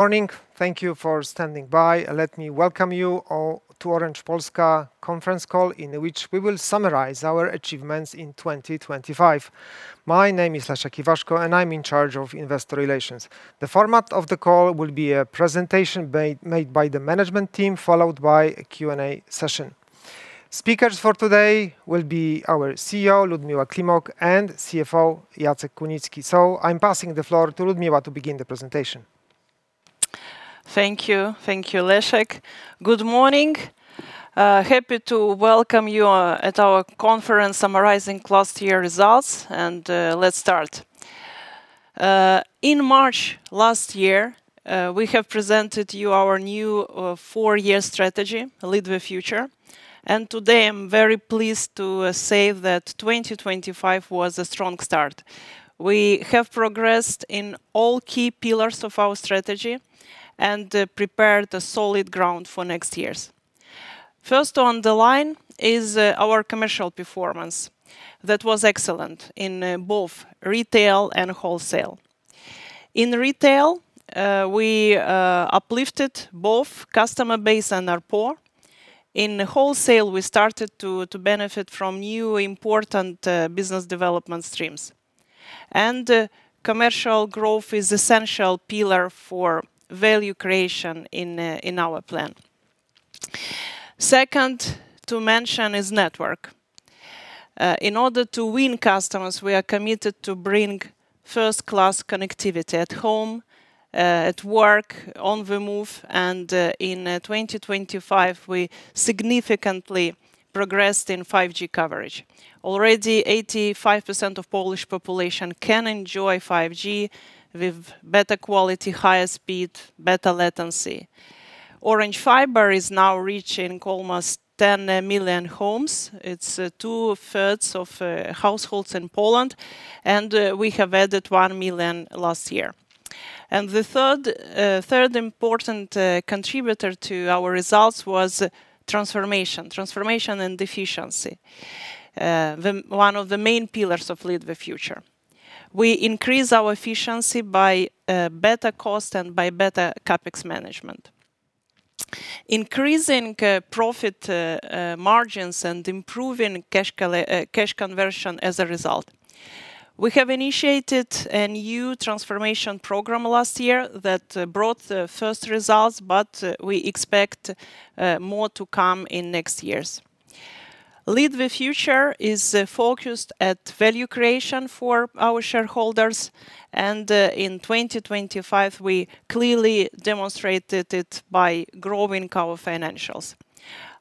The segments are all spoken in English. Morning! Thank you for standing by. Let me welcome you all to Orange Polska conference call, in which we will summarize our achievements in 2025. My name is Leszek Iwaszko, and I'm in charge of investor relations. The format of the call will be a presentation made by the management team, followed by a Q&A session. Speakers for today will be our CEO, Liudmila Climoc, and CFO, Jacek Kunicki. So I'm passing the floor to Liudmila to begin the presentation. Thank you. Thank you, Leszek. Good morning. Happy to welcome you to our conference summarizing last year results, and let's start. In March last year, we have presented you our new four-year strategy, Lead the Future, and today I'm very pleased to say that 2025 was a strong start. We have progressed in all key pillars of our strategy and prepared a solid ground for next years. First on the line is our commercial performance that was excellent in both retail and wholesale. In retail, we uplifted both customer base and ARPU. In wholesale, we started to benefit from new important business development streams. And commercial growth is essential pillar for value creation in our plan. Second to mention is network. In order to win customers, we are committed to bring first-class connectivity at home, at work, on the move, and in 2025, we significantly progressed in 5G coverage. Already, 85% of Polish population can enjoy 5G with better quality, higher speed, better latency. Orange Fiber is now reaching almost 10 million homes. It's two-thirds of households in Poland, and we have added 1 million last year. The third important contributor to our results was transformation and efficiency, one of the main pillars of Lead the Future. We increased our efficiency by better cost and by better CapEx management, increasing profit margins and improving cash conversion as a result. We have initiated a new transformation program last year that brought the first results, but we expect more to come in next years. Lead the Future is focused at value creation for our shareholders, and in 2025, we clearly demonstrated it by growing our financials.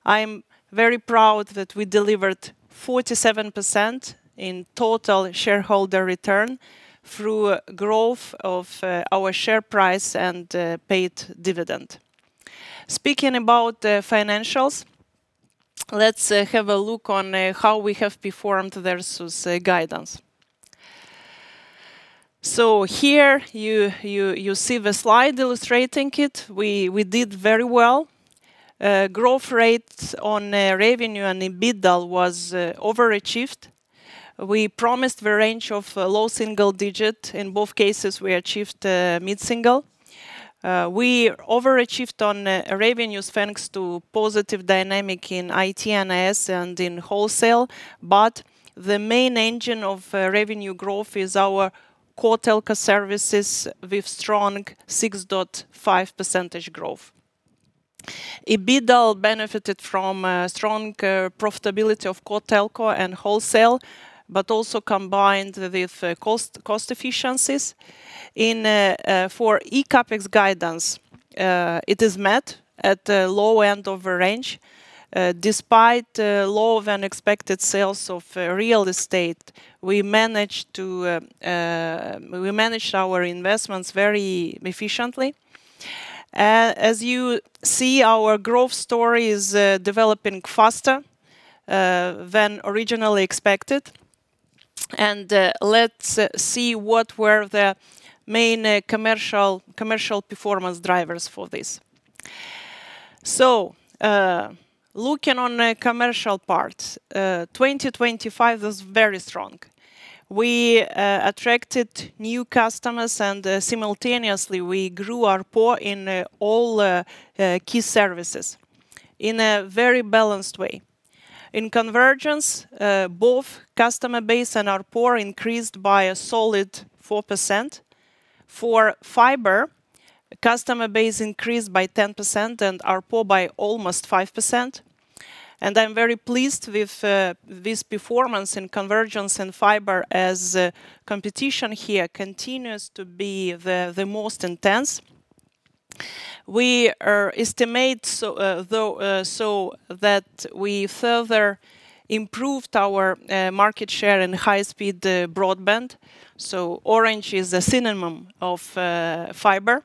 I'm very proud that we delivered 47% in total shareholder return through growth of our share price and paid dividend. Speaking about the financials, let's have a look on how we have performed versus guidance. Here, you see the slide illustrating it. We did very well. Growth rates on revenue and EBITDA were over-achieved. We promised a range of low single-digit. In both cases, we achieved mid-single. We over-achieved on revenues, thanks to positive dynamic in IT & IS and in wholesale, but the main engine of revenue growth is our Core Telco services, with strong 6.5% growth. EBITDA benefited from strong profitability of Core Telco and wholesale, but also combined with cost efficiencies. For eCapEx guidance, it is met at the low end of the range. Despite low level of unexpected sales of real estate, we managed to, we managed our investments very efficiently. As you see, our growth story is developing faster than originally expected. Let's see what were the main commercial performance drivers for this. Looking on the commercial part, 2025 was very strong. We attracted new customers, and simultaneously, we grew ARPU in all key services in a very balanced way. In convergence, both customer base and ARPU increased by a solid 4%. For fiber, customer base increased by 10% and ARPU by almost 5%, and I'm very pleased with this performance in convergence and fiber, as competition here continues to be the most intense. We estimate so though so that we further improved our market share in high-speed broadband, so Orange is a synonym of fiber.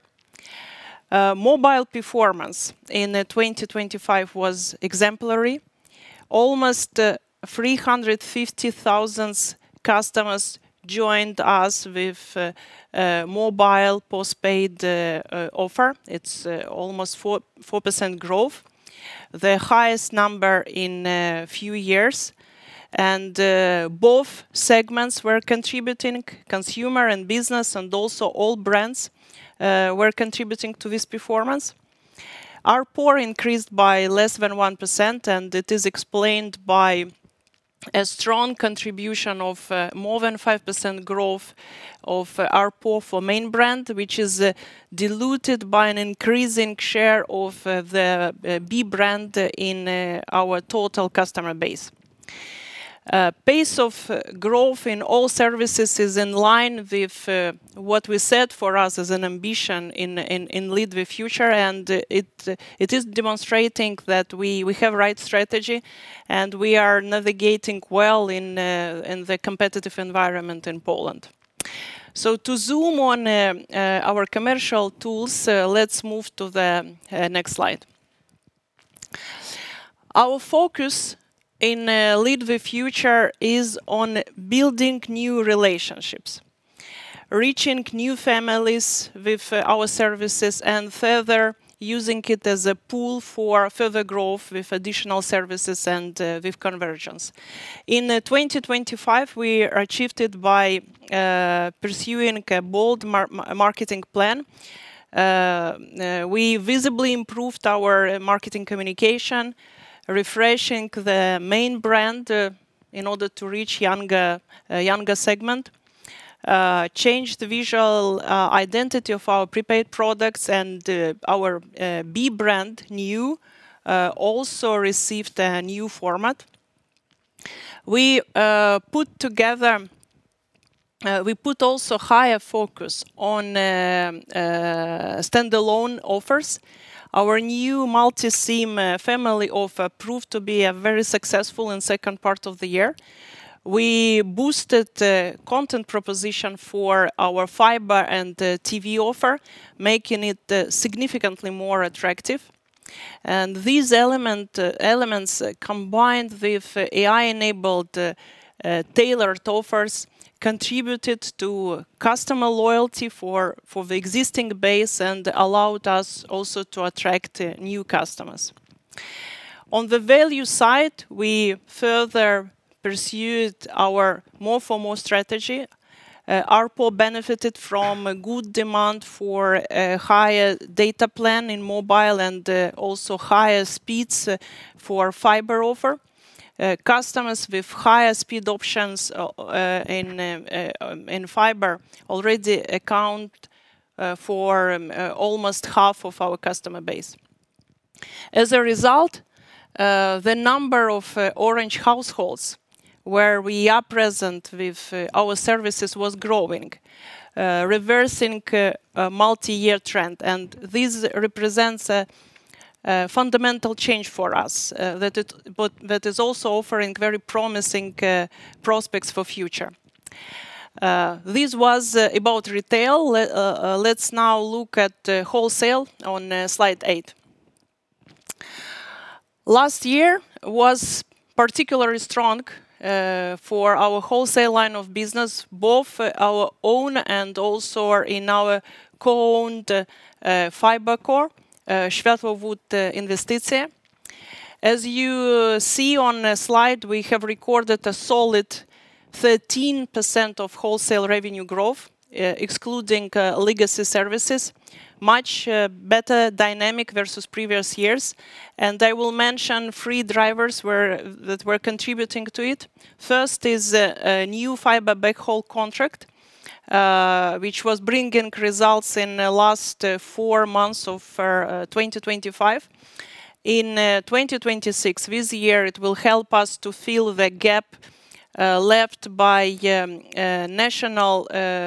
Mobile performance in 2025 was exemplary. Almost 350,000 customers joined us with mobile postpaid offer. It's almost 4.4% growth, the highest number in few years. Both segments were contributing, consumer and business, and also all brands were contributing to this performance. ARPU increased by less than 1%, and it is explained by a strong contribution of more than 5% growth of ARPU for main brand, which is diluted by an increasing share of the B-brand in our total customer base. Pace of growth in all services is in line with what we set for us as an ambition in Lead the Future, and it is demonstrating that we have right strategy, and we are navigating well in the competitive environment in Poland. So to zoom on our commercial tools, let's move to the next slide. Our focus in Lead the Future is on building new relationships, reaching new families with our services, and further using it as a pool for further growth with additional services and with convergence. In 2025, we achieved it by pursuing a bold marketing plan. We visibly improved our marketing communication, refreshing the main brand in order to reach younger segment. Changed the visual identity of our prepaid products, and our B-brand Nju also received a new format. We put also higher focus on standalone offers. Our new multi-SIM family offer proved to be very successful in second part of the year. We boosted the content proposition for our fiber and the TV offer, making it significantly more attractive. These elements, combined with AI-enabled tailored offers, contributed to customer loyalty for the existing base and allowed us also to attract new customers. On the value side, we further pursued our more for more strategy. ARPU benefited from a good demand for a higher data plan in mobile and also higher speeds for fiber offer. Customers with higher speed options in fiber already account for almost half of our customer base. As a result, the number of Orange households where we are present with our services was growing, reversing a multi-year trend, and this represents a fundamental change for us. That, but that is also offering very promising prospects for future. This was about retail. Let's now look at the wholesale on slide eight. Last year was particularly strong for our wholesale line of business, both our own and also in our co-owned FiberCo, Światłowód Inwestycje. As you see on the slide, we have recorded a solid 13% of wholesale revenue growth, excluding legacy services, much better dynamic versus previous years. I will mention three drivers were that were contributing to it. First is a new fiber backhaul contract, which was bringing results in the last four months of 2025. In 2026, this year, it will help us to fill the gap left by national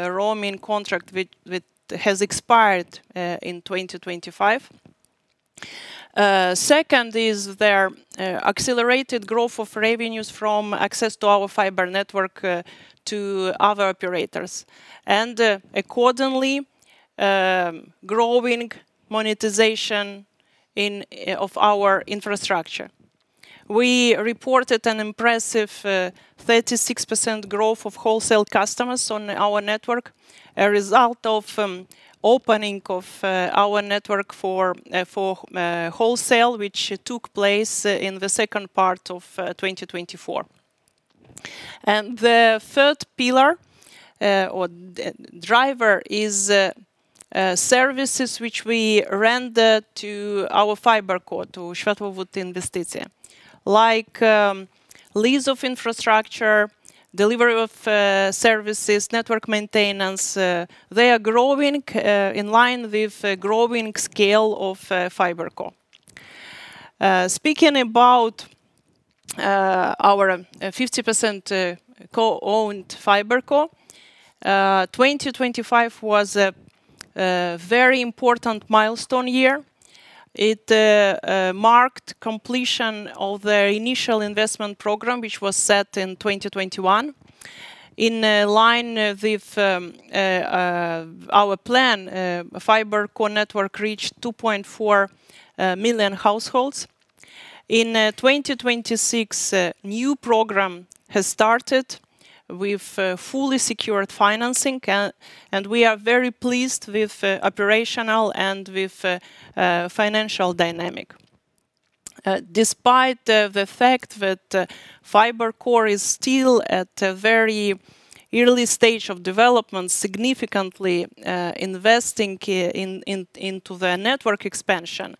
roaming contract, which has expired in 2025. Second is the accelerated growth of revenues from access to our fiber network to other operators, and accordingly, growing monetization of our infrastructure. We reported an impressive 36% growth of wholesale customers on our network, a result of opening of our network for wholesale, which took place in the second part of 2024. And the third pillar or driver is services which we rendered to our FiberCo, to Światłowód Inwestycje. Like, lease of infrastructure, delivery of services, network maintenance, they are growing in line with the growing scale of FiberCo. Speaking about our 50% co-owned FiberCo, 2025 was a very important milestone year. It marked completion of the initial investment program, which was set in 2021. In line with our plan, FiberCo network reached 2.4 million households. In 2026, a new program has started with fully secured financing, and we are very pleased with operational and with financial dynamic. Despite the fact that FiberCo is still at a very early stage of development, significantly investing in the network expansion,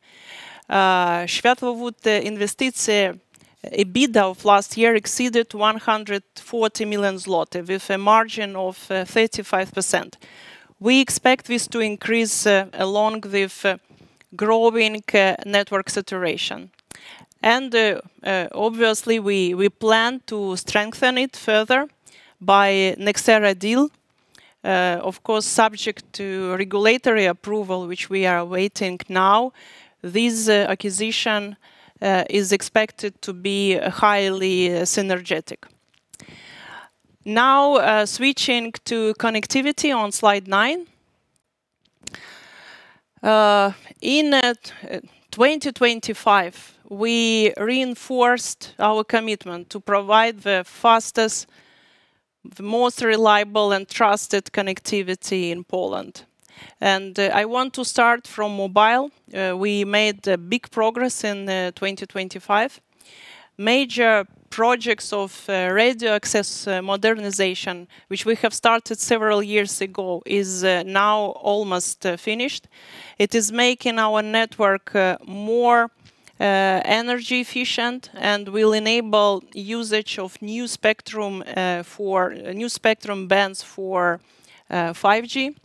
Światłowód Inwestycje, EBITDA of last year exceeded 140 million zloty, with a margin of 35%. We expect this to increase along with growing network saturation. Obviously, we plan to strengthen it further by Nexera deal. Of course, subject to regulatory approval, which we are awaiting now. This acquisition is expected to be highly synergetic. Now, switching to connectivity on slide nine. In 2025, we reinforced our commitment to provide the fastest, the most reliable, and trusted connectivity in Poland. I want to start from mobile. We made big progress in 2025. Major projects of radio access modernization, which we have started several years ago, is now almost finished. It is making our network more energy efficient, and will enable usage of new spectrum for new spectrum bands for 5G.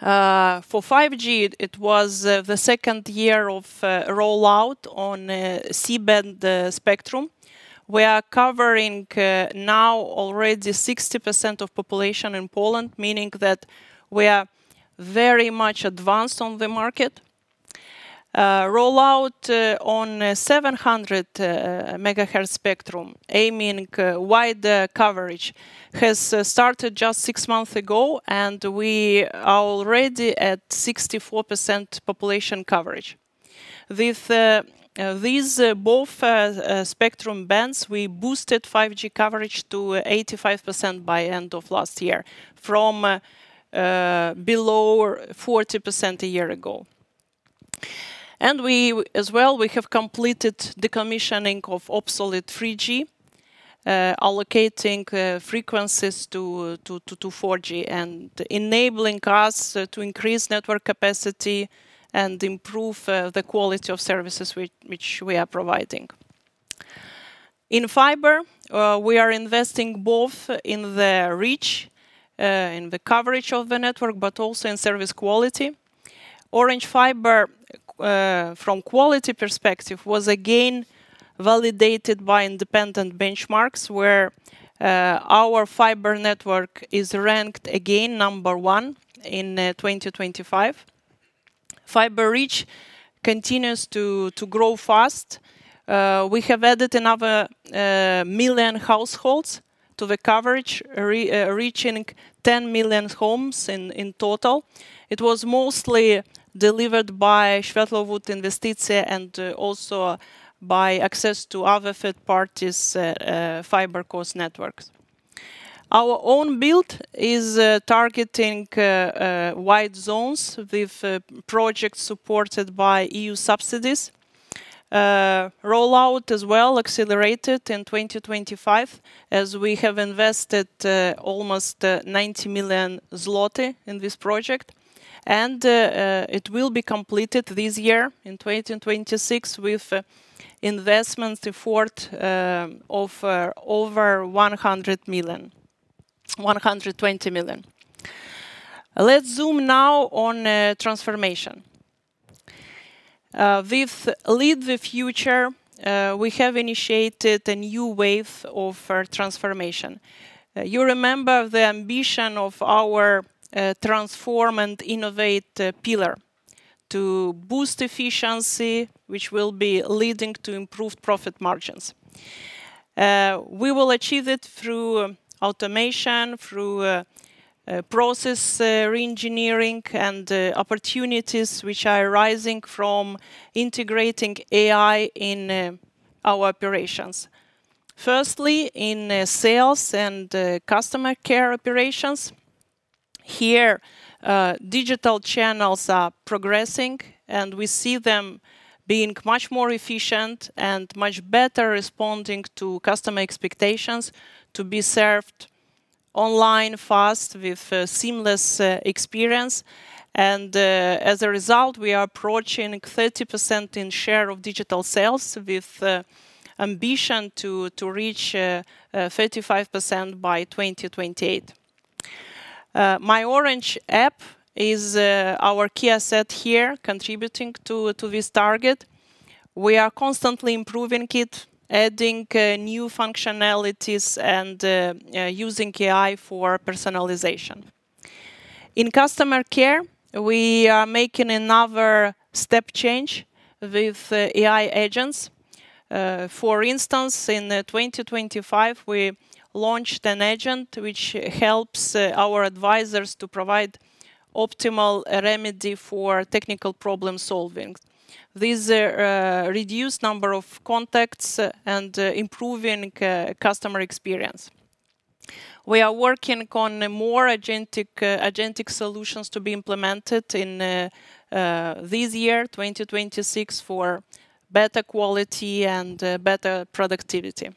For 5G, it was the second year of rollout on C-band spectrum. We are covering now already 60% of population in Poland, meaning that we are very much advanced on the market. Rollout on 700 megahertz spectrum, aiming wide coverage, has started just six months ago, and we are already at 64% population coverage. With these both spectrum bands, we boosted 5G coverage to 85% by end of last year, from below 40% a year ago. We as well have completed decommissioning of obsolete 3G, allocating frequencies to 4G, and enabling us to increase network capacity and improve the quality of services which we are providing. In fiber, we are investing both in the reach, in the coverage of the network, but also in service quality. Orange Fiber, from a quality perspective, was again validated by independent benchmarks, where our fiber network is ranked again number one in 2025. Fiber reach continues to grow fast. We have added another million households to the coverage, reaching 10 million homes in total. It was mostly delivered by Światłowód Inwestycje, and also by access to other third parties' fiber core networks. Our own build is targeting white zones with projects supported by EU subsidies. Rollout as well accelerated in 2025, as we have invested almost 90 million zloty in this project. It will be completed this year, in 2026, with investment effort of over 100 million-120 million. Let's zoom now on transformation. With Lead the Future, we have initiated a new wave of transformation. You remember the ambition of our transform and innovate pillar: to boost efficiency, which will be leading to improved profit margins. We will achieve it through automation, through process re-engineering, and opportunities which are arising from integrating AI in our operations. Firstly, in sales and customer care operations. Here, digital channels are progressing, and we see them being much more efficient and much better responding to customer expectations to be served online fast, with seamless experience. And, as a result, we are approaching 30% in share of digital sales, with ambition to reach 35% by 2028. My Orange app is our key asset here, contributing to this target. We are constantly improving it, adding new functionalities and using AI for personalization. In customer care, we are making another step change with AI agents. For instance, in 2025, we launched an agent which helps our advisors to provide optimal remedy for technical problem-solving. This reduced number of contacts and improving customer experience. We are working on more agentic solutions to be implemented in this year, 2026, for better quality and better productivity.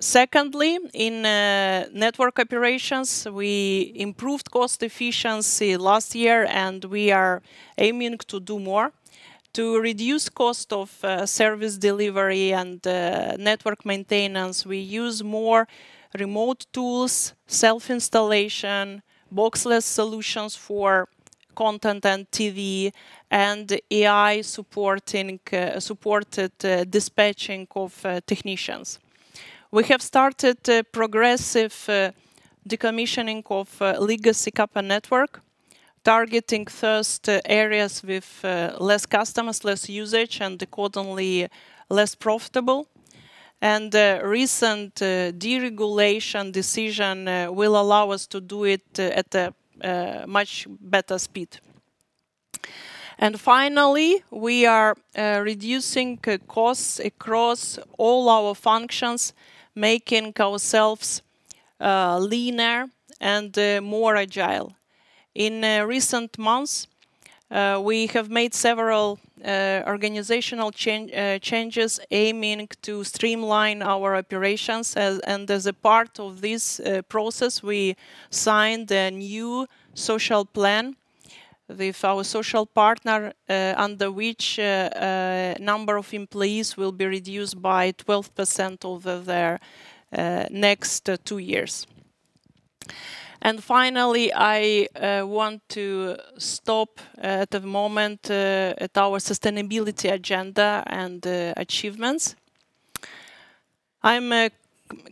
Secondly, in network operations, we improved cost efficiency last year, and we are aiming to do more. To reduce cost of service delivery and network maintenance, we use more remote tools, self-installation, box-less solutions for content and TV, and AI-supported dispatching of technicians. We have started a progressive decommissioning of legacy copper network, targeting first areas with less customers, less usage, and accordingly, less profitable. Recent deregulation decision will allow us to do it at a much better speed. And finally, we are reducing costs across all our functions, making ourselves leaner and more agile. In recent months, we have made several organizational changes, aiming to streamline our operations. And as a part of this process, we signed a new social plan with our social partner, under which number of employees will be reduced by 12% over the next two years. And finally, I want to stop at the moment at our sustainability agenda and achievements. I'm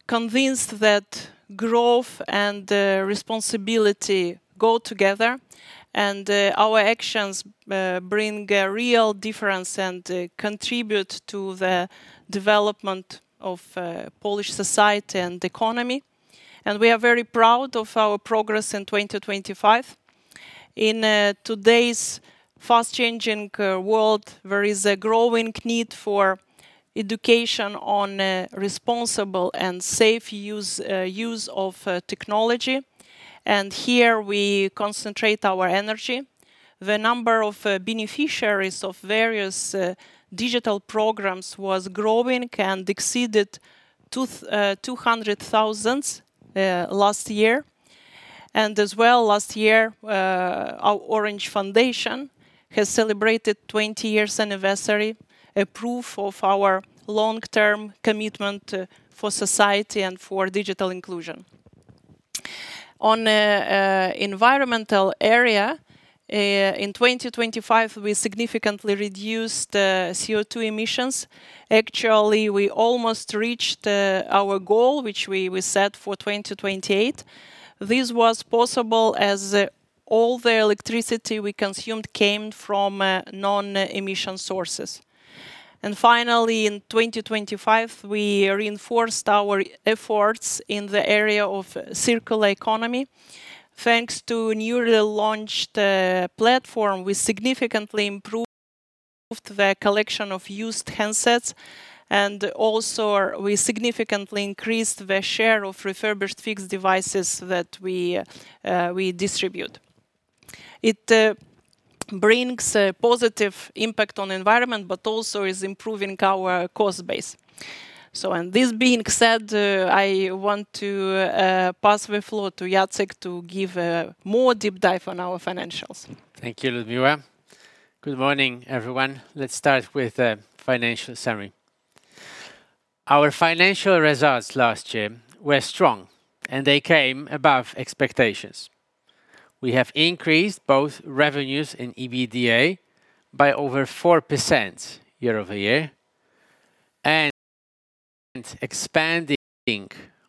convinced that growth and responsibility go together, and our actions bring a real difference and contribute to the development of Polish society and economy, and we are very proud of our progress in 2025. In today's fast-changing world, there is a growing need for education on responsible and safe use of technology, and here we concentrate our energy. The number of beneficiaries of various digital programs was growing and exceeded 200,000 last year. As well, last year, our Orange Foundation has celebrated 20 years anniversary, a proof of our long-term commitment for society and for digital inclusion. On environmental area, in 2025, we significantly reduced CO2 emissions. Actually, we almost reached our goal, which we set for 2028. This was possible as all the electricity we consumed came from non-emission sources. And finally, in 2025, we reinforced our efforts in the area of circular economy. Thanks to newly launched platform, we significantly improved the collection of used handsets, and also we significantly increased the share of refurbished fixed devices that we distribute. It brings a positive impact on the environment, but also is improving our cost base. So and this being said, I want to pass the floor to Jacek to give a more deep dive on our financials. Thank you, Liudmila. Good morning, everyone. Let's start with the financial summary. Our financial results last year were strong and they came above expectations. We have increased both revenues and EBITDA by over 4% year-over-year, and expanding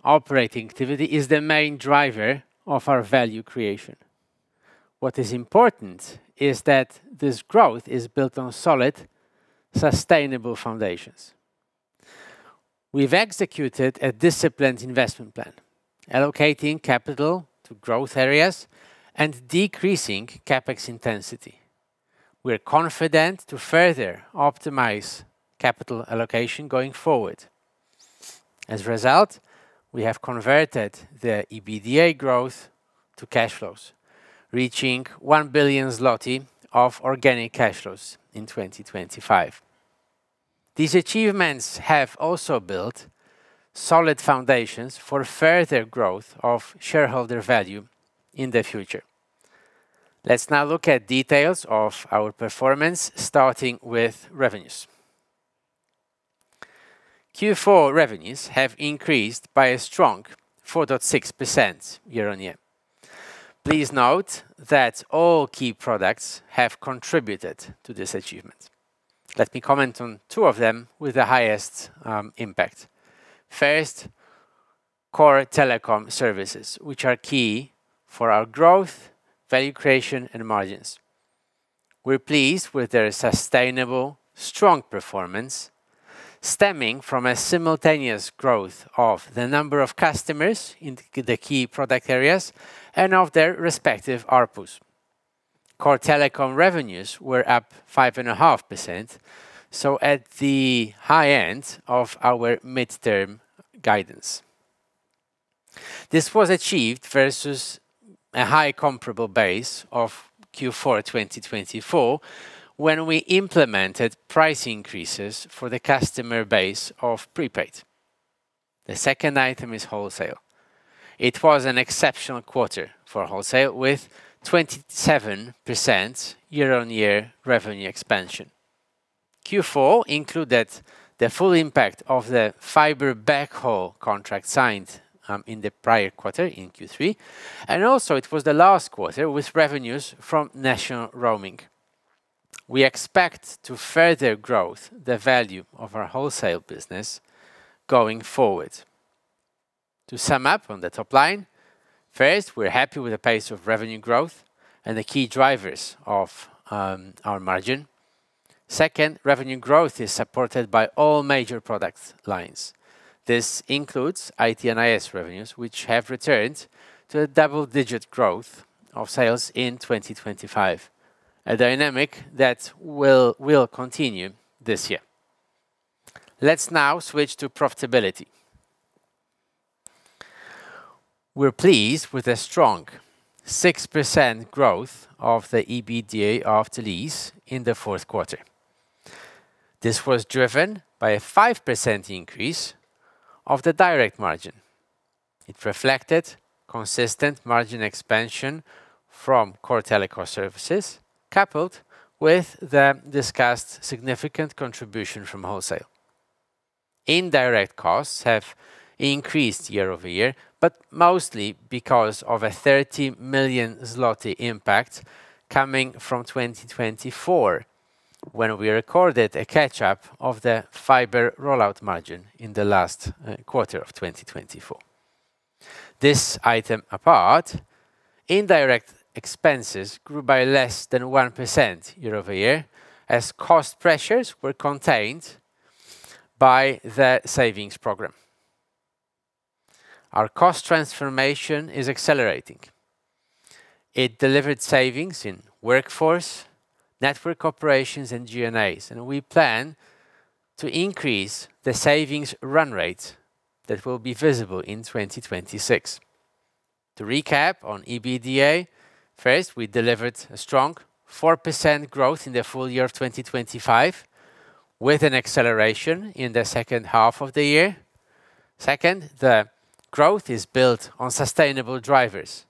operating activity is the main driver of our value creation. What is important is that this growth is built on solid, sustainable foundations. We've executed a disciplined investment plan, allocating capital to growth areas and decreasing CapEx intensity. We're confident to further optimize capital allocation going forward. As a result, we have converted the EBITDA growth to cash flows, reaching 1 billion zloty of organic cash flows in 2025. These achievements have also built solid foundations for further growth of shareholder value in the future. Let's now look at details of our performance, starting with revenues. Q4 revenues have increased by a strong 4.6% year-on-year. Please note that all key products have contributed to this achievement. Let me comment on two of them with the highest impact. First, core telecom services, which are key for our growth, value creation, and margins. We're pleased with their sustainable, strong performance, stemming from a simultaneous growth of the number of customers in the key product areas and of their respective ARPU. Core telecom revenues were up 5.5%, so at the high end of our midterm guidance. This was achieved versus a high comparable base of Q4 2024, when we implemented price increases for the customer base of prepaid. The second item is wholesale. It was an exceptional quarter for wholesale, with 27% year-on-year revenue expansion. Q4 included the full impact of the fiber backhaul contract signed in the prior quarter, in Q3, and also it was the last quarter with revenues from national roaming. We expect to further growth the value of our wholesale business going forward. To sum up on the top line, first, we're happy with the pace of revenue growth and the key drivers of our margin. Second, revenue growth is supported by all major product lines. This includes IT and IS revenues, which have returned to a double-digit growth of sales in 2025, a dynamic that will, will continue this year. Let's now switch to profitability. We're pleased with a strong 6% growth of the EBITDA after lease in the Q4. This was driven by a 5% increase of the direct margin. It reflected consistent margin expansion from core telecom services, coupled with the discussed significant contribution from wholesale. Indirect costs have increased year-over-year, but mostly because of a 30 million zloty impact coming from 2024, when we recorded a catch-up of the fiber rollout margin in the last quarter of 2024. This item apart, indirect expenses grew by less than 1% year-over-year, as cost pressures were contained by the savings program. Our cost transformation is accelerating. It delivered savings in workforce, network operations, and G&As, and we plan to increase the savings run rate that will be visible in 2026. To recap on EBITDA, first, we delivered a strong 4% growth in the full year of 2025, with an acceleration in the second half of the year. Second, the growth is built on sustainable drivers,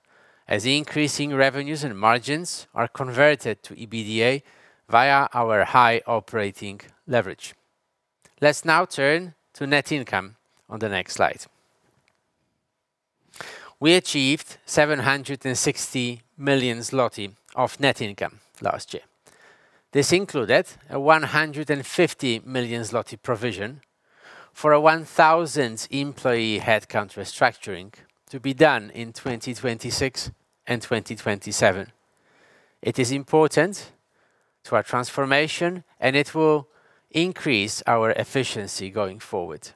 as increasing revenues and margins are converted to EBITDA via our high operating leverage. Let's now turn to net income on the next slide. We achieved 760 million zloty of net income last year. This included a 150 million zloty provision for a 1,000 employee headcount restructuring to be done in 2026 and 2027. It is important to our transformation, and it will increase our efficiency going forward.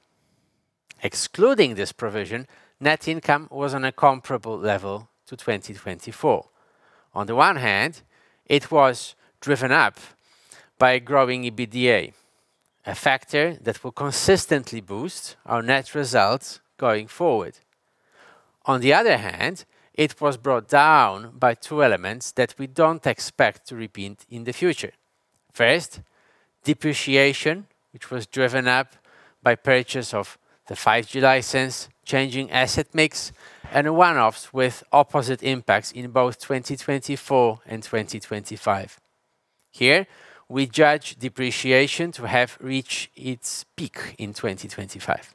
Excluding this provision, net income was on a comparable level to 2024. On the one hand, it was driven up by growing EBITDA, a factor that will consistently boost our net results going forward. On the other hand, it was brought down by two elements that we don't expect to repeat in the future. First, depreciation, which was driven up by purchase of the 5G license, changing asset mix, and one-offs with opposite impacts in both 2024 and 2025. Here, we judge depreciation to have reached its peak in 2025.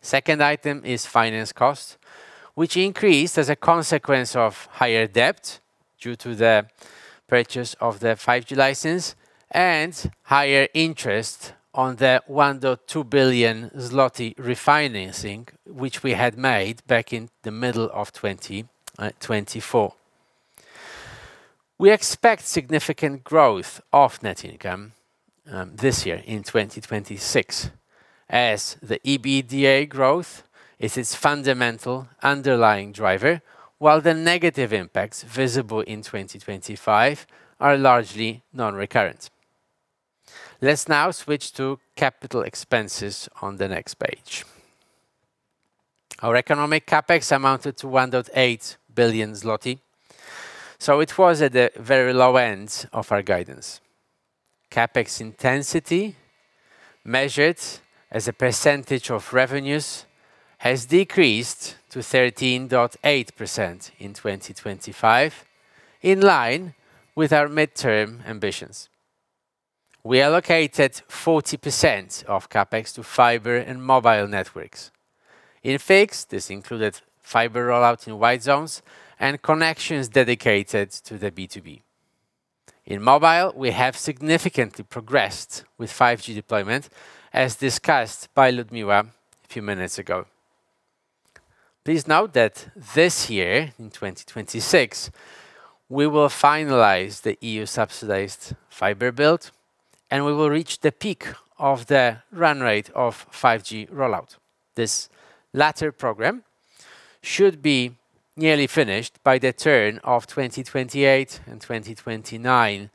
Second item is finance cost, which increased as a consequence of higher debt due to the purchase of the 5G license and higher interest on the 1.2 billion zloty refinancing, which we had made back in the middle of 2024. We expect significant growth of net income, this year in 2026, as the EBITDA growth is its fundamental underlying driver, while the negative impacts visible in 2025 are largely non-recurrent. Let's now switch to capital expenses on the next page. Our economic CapEx amounted to 1.8 billion zloty, so it was at the very low end of our guidance. CapEx intensity, measured as a percentage of revenues, has decreased to 13.8% in 2025, in line with our midterm ambitions. We allocated 40% of CapEx to fiber and mobile networks. In fixed, this included fiber rollout in wide zones and connections dedicated to the B2B. In mobile, we have significantly progressed with 5G deployment, as discussed by Liudmila a few minutes ago. Please note that this year, in 2026, we will finalize the EU-subsidized fiber build, and we will reach the peak of the run rate of 5G rollout. This latter program should be nearly finished by the turn of 2028 and 2029,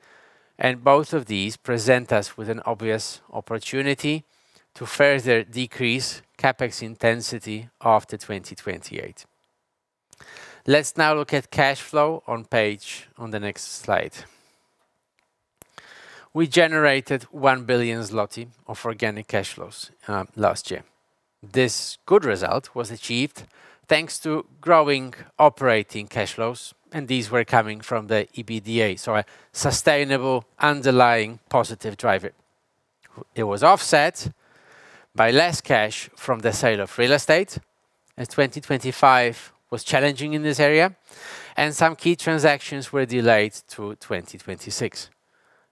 and both of these present us with an obvious opportunity to further decrease CapEx intensity after 2028. Let's now look at cash flow on page, on the next slide. We generated 1 billion zloty of organic cash flows last year. This good result was achieved thanks to growing operating cash flows, and these were coming from the EBITDA, so a sustainable, underlying positive driver. It was offset by less cash from the sale of real estate, as 2025 was challenging in this area, and some key transactions were delayed to 2026.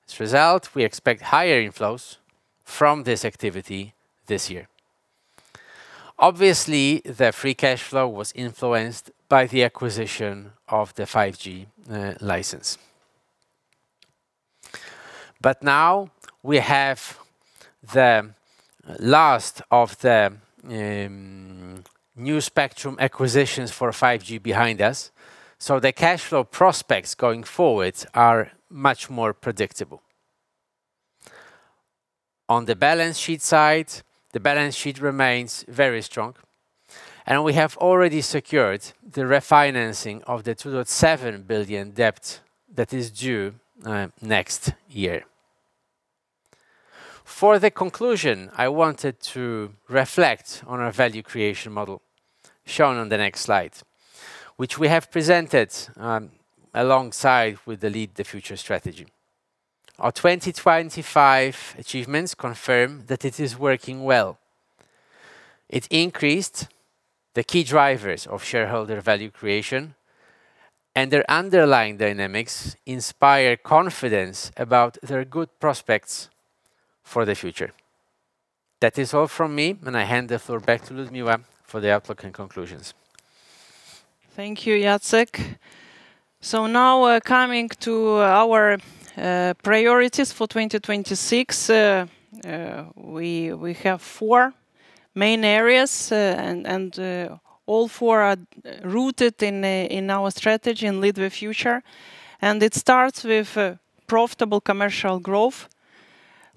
As a result, we expect higher inflows from this activity this year. Obviously, the free cash flow was influenced by the acquisition of the 5G license. But now we have the last of the new spectrum acquisitions for 5G behind us, so the cash flow prospects going forward are much more predictable. On the balance sheet side, the balance sheet remains very strong, and we have already secured the refinancing of the 2.7 billion debt that is due next year. For the conclusion, I wanted to reflect on our value creation model, shown on the next slide, which we have presented alongside with the Lead the Future strategy. Our 2025 achievements confirm that it is working well. It increased the key drivers of shareholder value creation, and their underlying dynamics inspire confidence about their good prospects for the future. That is all from me, and I hand the floor back to Liudmila for the outlook and conclusions. Thank you, Jacek. So now, coming to our priorities for 2026, we have four main areas, and all four are rooted in our strategy in Lead the Future, and it starts with profitable commercial growth.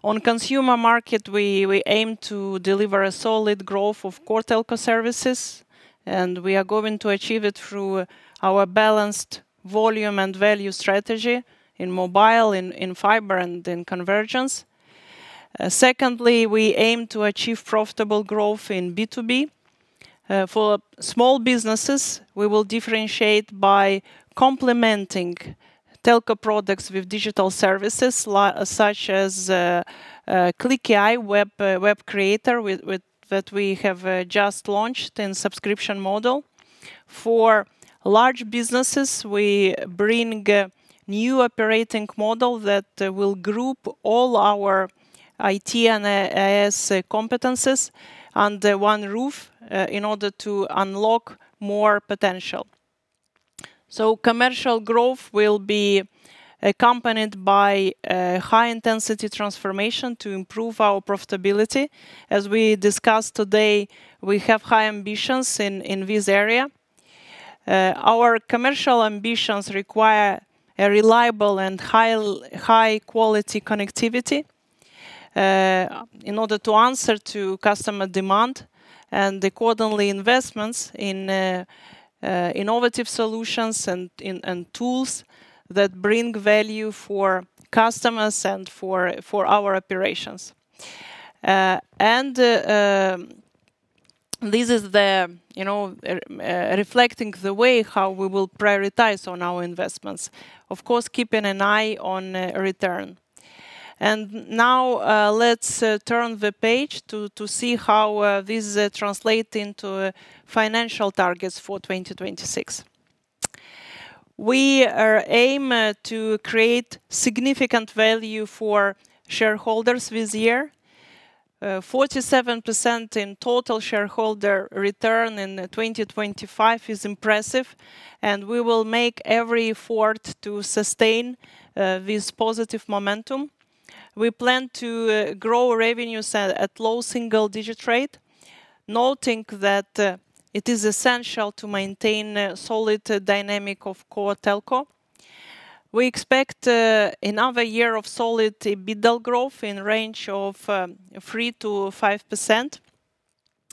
On consumer market, we aim to deliver a solid growth of core telco services, and we are going to achieve it through our balanced volume and value strategy in mobile, in fiber, and in convergence. Secondly, we aim to achieve profitable growth in B2B. For small businesses, we will differentiate by complementing telco products with digital services, such as KlikAI web creator with that we have just launched in subscription model. For large businesses, we bring a new operating model that will group all our IT and IS competences under one roof in order to unlock more potential. So commercial growth will be accompanied by high-intensity transformation to improve our profitability. As we discussed today, we have high ambitions in this area. Our commercial ambitions require a reliable and high-quality connectivity in order to answer to customer demand, and accordingly, investments in innovative solutions and tools that bring value for customers and for our operations. And this is the, you know, reflecting the way how we will prioritize on our investments, of course, keeping an eye on return. And now let's turn the page to see how this translate into financial targets for 2026. We are aim to create significant value for shareholders this year. Forty-seven percent in total shareholder return in 2025 is impressive, and we will make every effort to sustain this positive momentum. We plan to grow revenues at a low single-digit rate, noting that it is essential to maintain a solid dynamic of core telco. We expect another year of solid EBITDA growth in range of 3%-5%.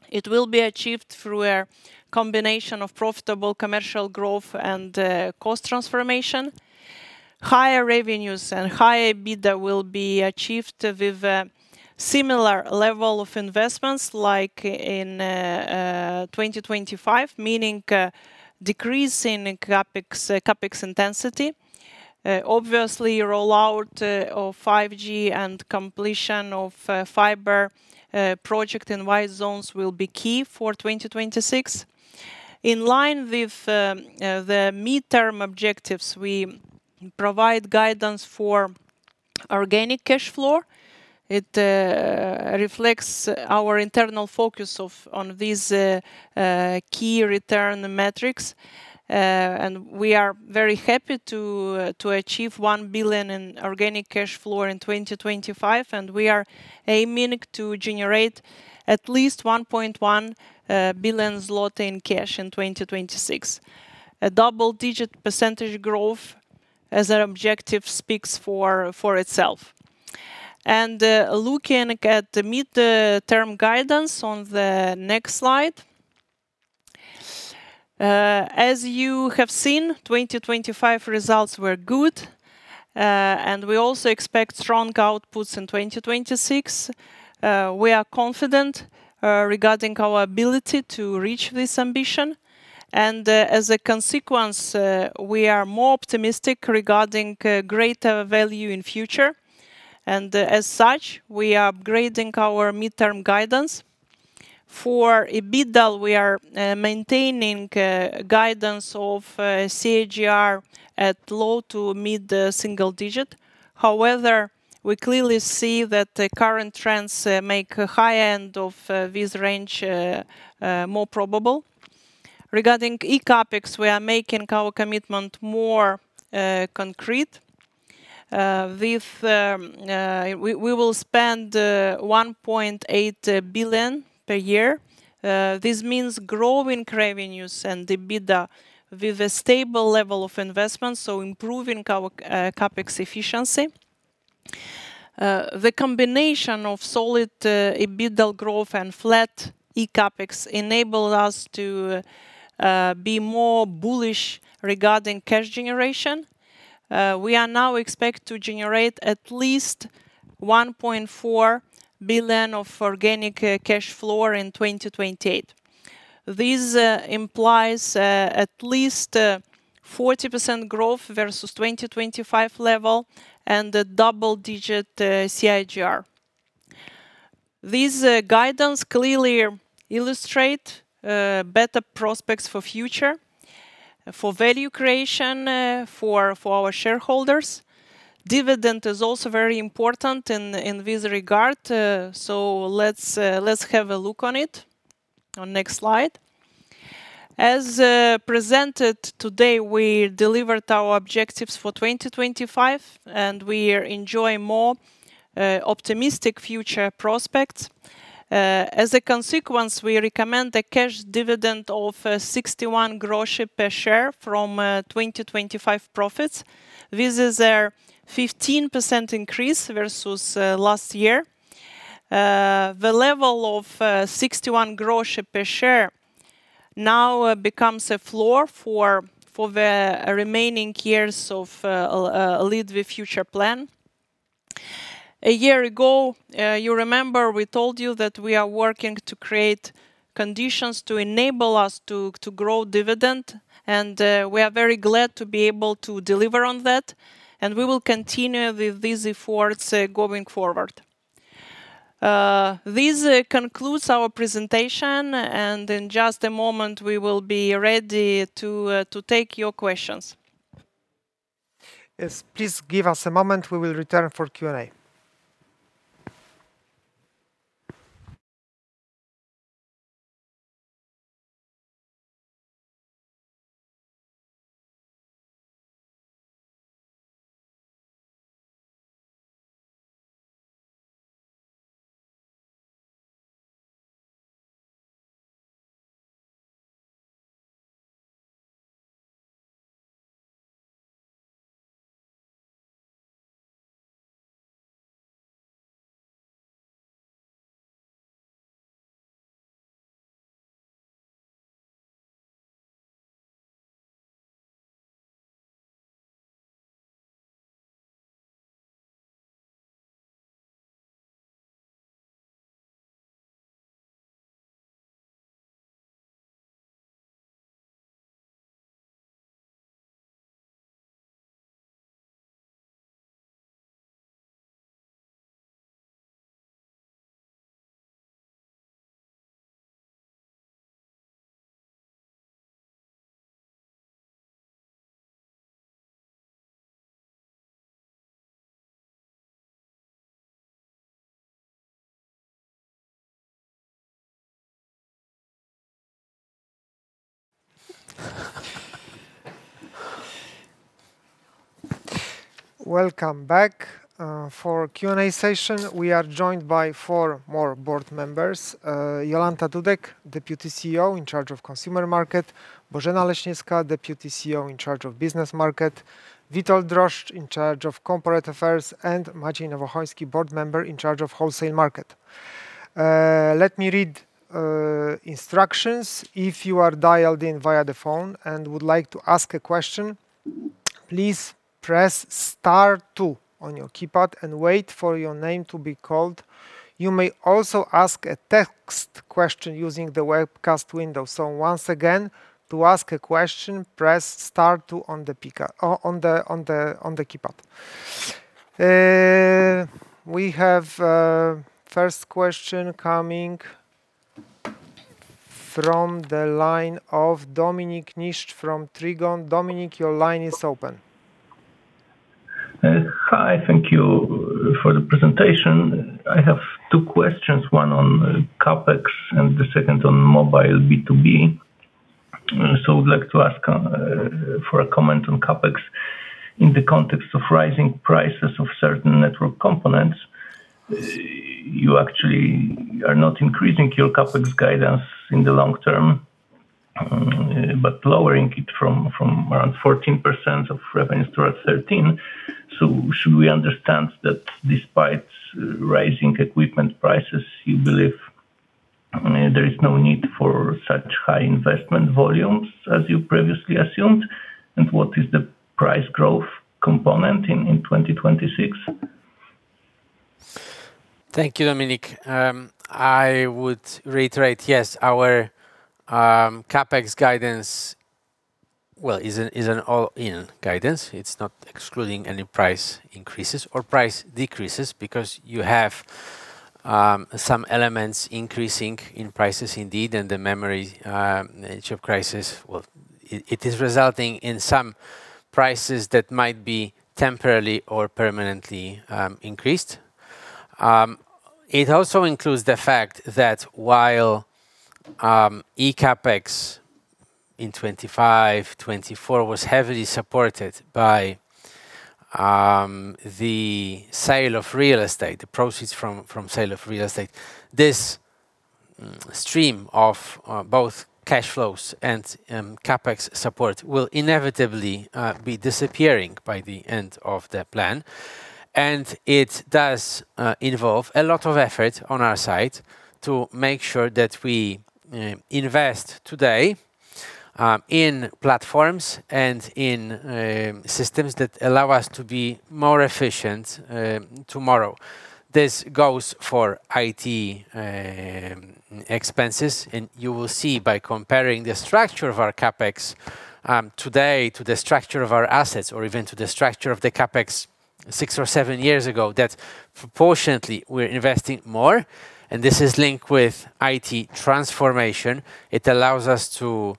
It will be achieved through a combination of profitable commercial growth and cost transformation. Higher revenues and higher EBITDA will be achieved with a similar level of investments like in 2025, meaning a decrease in CapEx, CapEx intensity. Obviously, rollout of 5G and completion of fiber project in white zones will be key for 2026. In line with the midterm objectives, we provide guidance for organic cash flow. It reflects our internal focus on these key return metrics. We are very happy to achieve 1 billion in organic cash flow in 2025, and we are aiming to generate at least 1.1 billion zloty in cash in 2026. A double-digit percentage growth as our objective speaks for itself. Looking at the midterm guidance on the next slide, as you have seen, 2025 results were good, and we also expect strong outputs in 2026. We are confident regarding our ability to reach this ambition, and as a consequence, we are more optimistic regarding greater value in future. As such, we are upgrading our midterm guidance. For EBITDA, we are maintaining guidance of CAGR at low to mid single-digit. However, we clearly see that the current trends make a high end of this range more probable. Regarding eCapEx, we are making our commitment more concrete. With, we will spend 1.8 billion per year. This means growing revenues and EBITDA with a stable level of investment, so improving our CapEx efficiency. The combination of solid EBITDA growth and flat eCapEx enable us to be more bullish regarding cash generation. We are now expect to generate at least 1.4 billion of organic cash flow in 2028. This implies at least 40% growth versus 2025 level and a double-digit CAGR. This guidance clearly illustrate better prospects for future, for value creation, for our shareholders. Dividend is also very important in this regard, so let's have a look on it on next slide. As presented today, we delivered our objectives for 2025, and we are enjoying more optimistic future prospects. As a consequence, we recommend a cash dividend of 0.61 per share from 2025 profits. This is a 15% increase versus last year. The level of 0.61 per share now becomes a floor for the remaining years of Lead the Future plan. A year ago, you remember we told you that we are working to create conditions to enable us to grow dividend, and we are very glad to be able to deliver on that, and we will continue with these efforts, going forward. This concludes our presentation, and in just a moment, we will be ready to take your questions. Yes, please give us a moment. We will return for Q&A. Welcome back. For Q&A session, we are joined by four more board members: Jolanta Dudek, Deputy CEO in charge of Consumer Market; Bożena Leśniewska, Deputy CEO in charge of Business Market; Witold Drożdż, in charge of Corporate Affairs; and Maciej Nowochoński, board member in charge of Wholesale Market. Let me read instructions. If you are dialed in via the phone and would like to ask a question, please press star two on your keypad and wait for your name to be called. You may also ask a text question using the webcast window. Once again, to ask a question, press star two on the keypad. We have first question coming from the line of Dominik Niszcz from Trigon. Dominik, your line is open. Hi, thank you for the presentation. I have two questions, one on CapEx and the second on mobile B2B. So I would like to ask for a comment on CapEx in the context of rising prices of certain network components. You actually are not increasing your CapEx guidance in the long term, but lowering it from around 14% of revenues towards 13%. So should we understand that despite rising equipment prices, you believe, I mean, there is no need for such high investment volumes as you previously assumed? And what is the price growth component in 2026? Thank you, Dominik. I would reiterate, yes, our CapEx guidance, well, is an, is an all-in guidance. It's not excluding any price increases or price decreases because you have some elements increasing in prices indeed, and the memory nature of crisis, well, it, it is resulting in some prices that might be temporarily or permanently increased. It also includes the fact that while eCapEx in 2025, 2024 was heavily supported by the sale of real estate, the proceeds from sale of real estate, this stream of both cash flows and CapEx support will inevitably be disappearing by the end of the plan. It does involve a lot of effort on our side to make sure that we invest today in platforms and in systems that allow us to be more efficient tomorrow. This goes for IT expenses, and you will see by comparing the structure of our CapEx today to the structure of our assets or even to the structure of the CapEx six or seven years ago, that proportionately we're investing more, and this is linked with IT transformation. It allows us to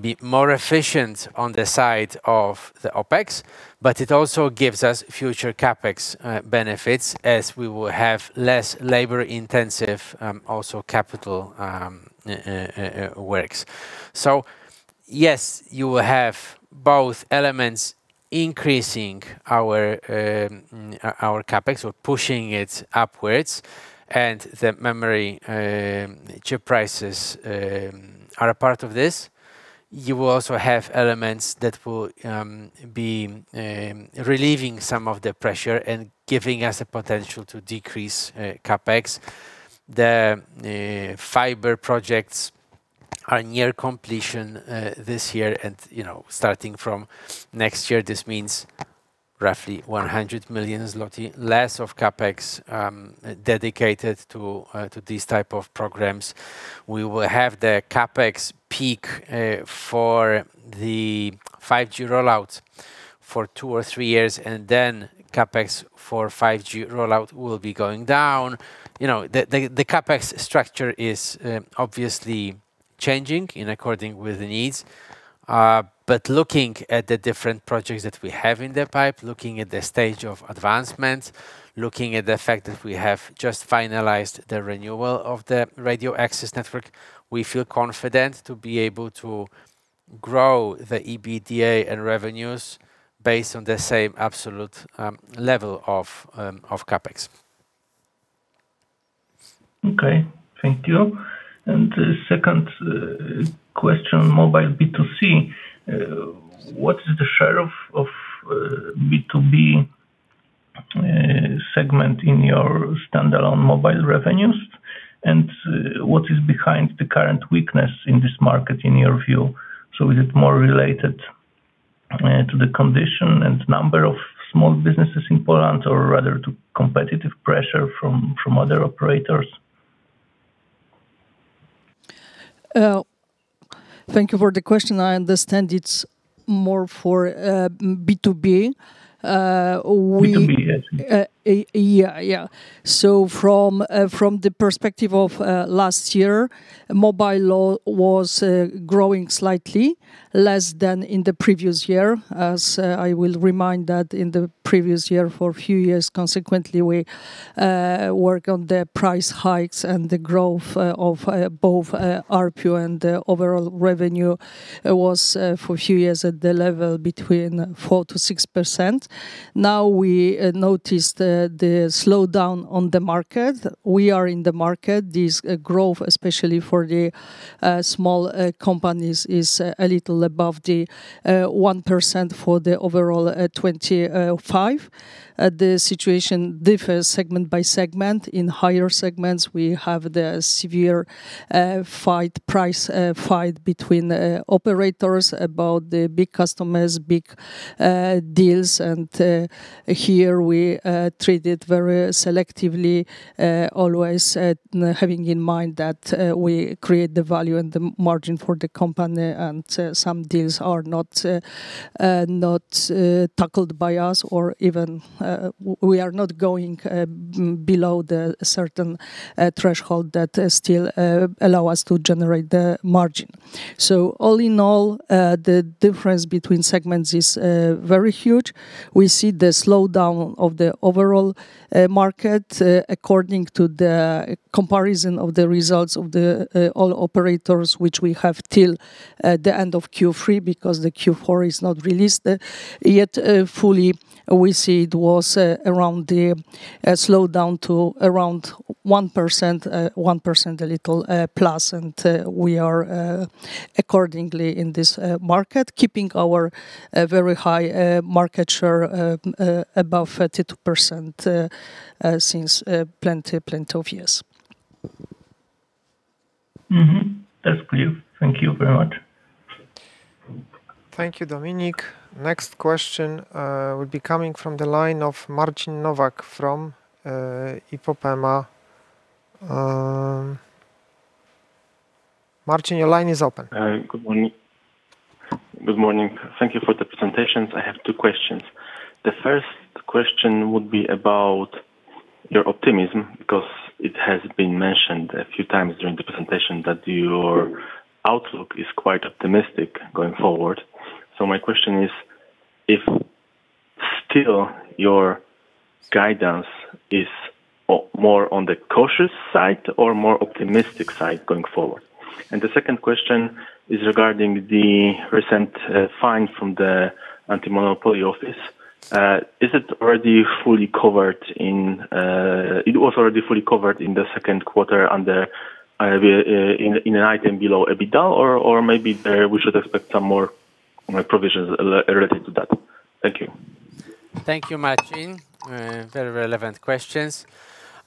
be more efficient on the side of the OpEx, but it also gives us future CapEx benefits as we will have less labor-intensive also capital works. So yes, you will have both elements increasing our our CapEx or pushing it upwards, and the memory chip prices are a part of this. You will also have elements that will be relieving some of the pressure and giving us a potential to decrease CapEx. The fiber projects are near completion this year, and, you know, starting from next year, this means roughly 100 million zloty less of CapEx dedicated to these type of programs. We will have the CapEx peak for the 5G rollout for two or three years, and then CapEx for 5G rollout will be going down. You know, the CapEx structure is obviously changing in accordance with the needs. But looking at the different projects that we have in the pipe, looking at the stage of advancement, looking at the fact that we have just finalized the renewal of the radio access network, we feel confident to be able to grow the EBITDA and revenues based on the same absolute level of CapEx. Okay, thank you. The second question, mobile B2C: What is the share of B2B segment in your standalone mobile revenues? What is behind the current weakness in this market, in your view? Is it more related to the condition and number of small businesses in Poland or rather to competitive pressure from other operators? Thank you for the question. I understand it's more for B2B. We- B2B, yes. Yeah, yeah. From the perspective of last year, mobile LoB was growing slightly less than in the previous year, as I will remind that in the previous year, for a few years, consequently, we work on the price hikes and the growth of both ARPU and the overall revenue was, for a few years, at the level between 4%-6%. Now, we noticed the slowdown on the market. We are in the market. This growth, especially for the small companies, is a little above the 1% for the overall 25. The situation differs segment by segment. In higher segments, we have the severe fight, price fight between operators about the big customers, big deals, and here we treat it very selectively, always having in mind that we create the value and the margin for the company, and some deals are not tackled by us or even we are not going below the certain threshold that still allow us to generate the margin.... So all in all, the difference between segments is very huge. We see the slowdown of the overall market according to the comparison of the results of all operators, which we have till the end of Q3, because the Q4 is not released yet fully. We see it was around the slowdown to around 1%, 1%, a little plus, and we are accordingly in this market, keeping our very high market share above 32% since plenty, plenty of years. Mm-hmm. That's clear. Thank you very much. Thank you, Dominik. Next question will be coming from the line of Marcin Nowak from IPOPEMA. Marcin, your line is open. Good morning. Thank you for the presentations. I have two questions. The first question would be about your optimism, because it has been mentioned a few times during the presentation that your outlook is quite optimistic going forward. So my question is, if still your guidance is or more on the cautious side or more optimistic side going forward? And the second question is regarding the recent fine from the Anti-Monopoly Office. Is it already fully covered in? It was already fully covered in the Q2 under an item below EBITDA, or maybe we should expect some more, like, provisions related to that? Thank you. Thank you, Marcin. Very relevant questions.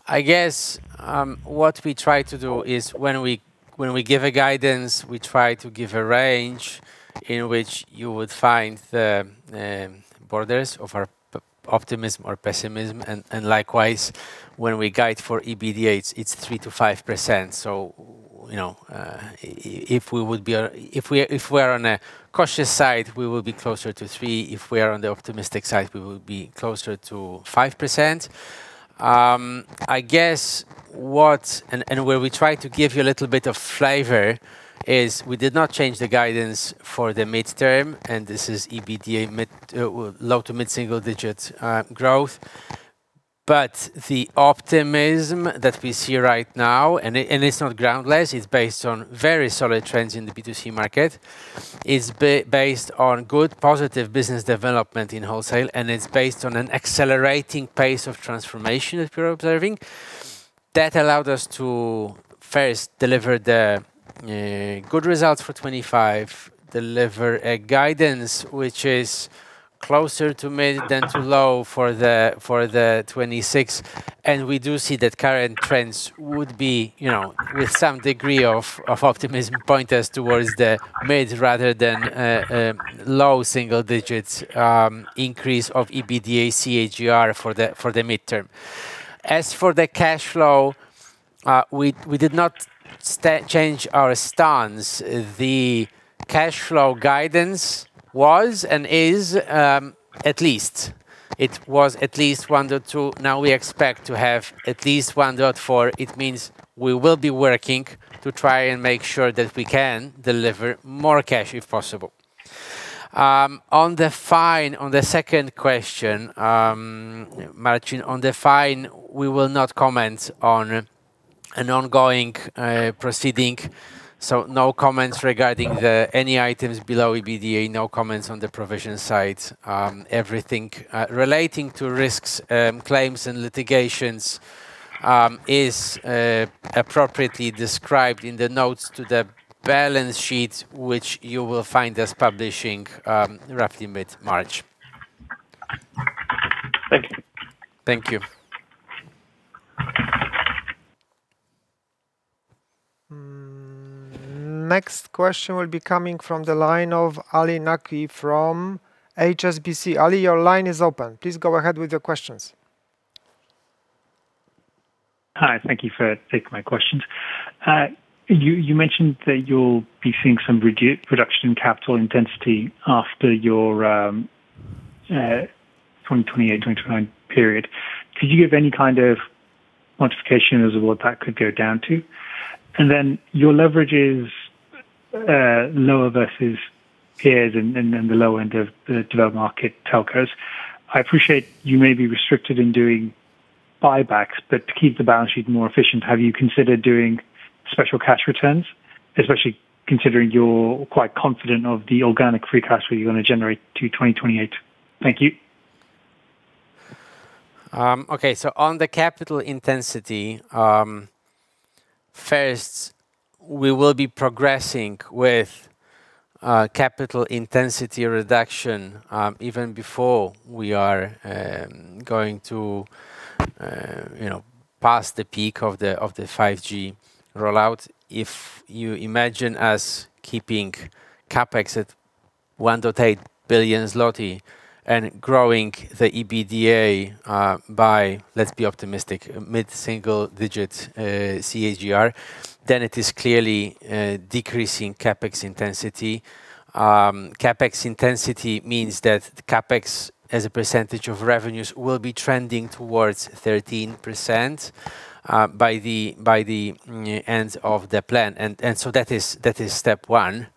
I guess what we try to do is when we give a guidance, we try to give a range in which you would find the borders of our optimism or pessimism, and likewise, when we guide for EBITDA, it's 3%-5%. So, you know, if we are on a cautious side, we will be closer to 3%; if we are on the optimistic side, we will be closer to 5%. I guess where we try to give you a little bit of flavor is we did not change the guidance for the midterm, and this is EBITDA mid, low to mid single-digit growth. But the optimism that we see right now, and it, and it's not groundless, it's based on very solid trends in the B2C market. It's based on good, positive business development in wholesale, and it's based on an accelerating pace of transformation that we're observing. That allowed us to, first, deliver the good results for 25, deliver a guidance which is closer to mid than to low for the, for the 26, and we do see that current trends would be, you know, with some degree of, of optimism, point us towards the mid rather than low single-digit, increase of EBITDA CAGR for the, for the midterm. As for the cash flow, we, we did not change our stance. The cash flow guidance was and is at least. It was at least one-two. Now we expect to have at least 1.4. It means we will be working to try and make sure that we can deliver more cash, if possible. On the fine, on the second question, Marcin, on the fine, we will not comment on an ongoing proceeding, so no comments regarding any items below EBITDA. No comments on the provision side. Everything relating to risks, claims, and litigations is appropriately described in the notes to the balance sheet, which you will find us publishing roughly mid-March. Thank you. Thank you. Next question will be coming from the line of Ali Naqvi from HSBC. Ali, your line is open. Please go ahead with your questions. Hi, thank you for taking my questions. You, you mentioned that you'll be seeing some reduction in capital intensity after your 2028, 2029 period. Could you give any kind of quantification as to what that could go down to? And then your leverage is lower versus peers and the low end of the developed market telcos. I appreciate you may be restricted in doing buybacks, but to keep the balance sheet more efficient, have you considered doing special cash returns? Especially considering you're quite confident of the organic free cash flow you're going to generate to 2028. Thank you. Okay, on the capital intensity, first, we will be progressing with capital intensity reduction, even before we are going to, you know, pass the peak of the 5G rollout. If you imagine us keeping CapEx at 1 billion-8 billion zloty and growing the EBITDA, let's be optimistic, mid single-digit CAGR, then it is clearly decreasing CapEx intensity. CapEx intensity means that CapEx, as a percentage of revenues, will be trending towards 13% by the end of the plan. That is step one.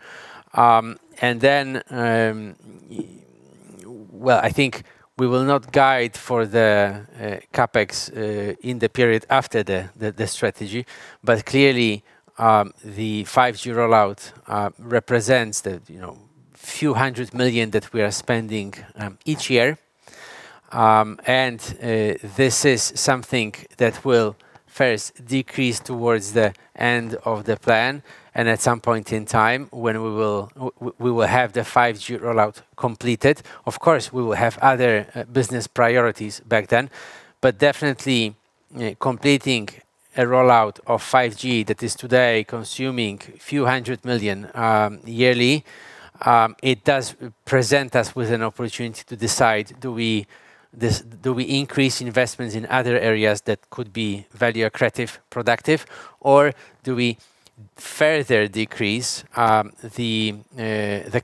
Well, I think we will not guide for the CapEx in the period after the strategy. But clearly, the 5G rollout represents that, you know, few hundred million that we are spending each year. And this is something that will first decrease towards the end of the plan, and at some point in time, when we will have the 5G rollout completed. Of course, we will have other business priorities back then, but definitely, completing a rollout of 5G that is today consuming few hundred million yearly, it does present us with an opportunity to decide, do we increase investments in other areas that could be value accretive, productive, or do we further decrease the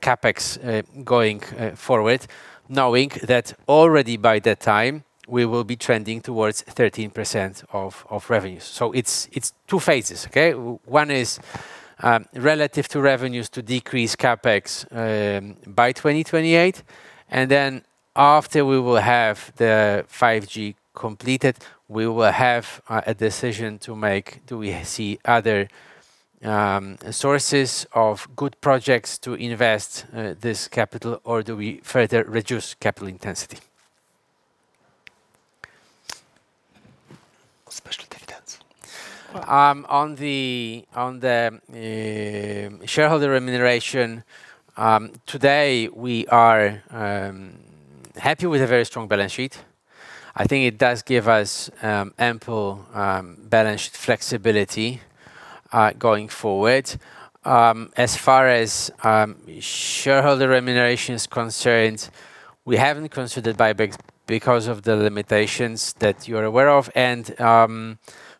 CapEx going forward, knowing that already by that time we will be trending towards 13% of revenues? So it's two phases, okay? One is, relative to revenues to decrease CapEx by 2028, and then after we will have the 5G completed, we will have a decision to make. Do we see other sources of good projects to invest this capital, or do we further reduce capital intensity? Special dividends. On the shareholder remuneration, today we are happy with a very strong balance sheet. I think it does give us ample balance flexibility going forward. As far as shareholder remuneration is concerned, we haven't considered buybacks because of the limitations that you're aware of, and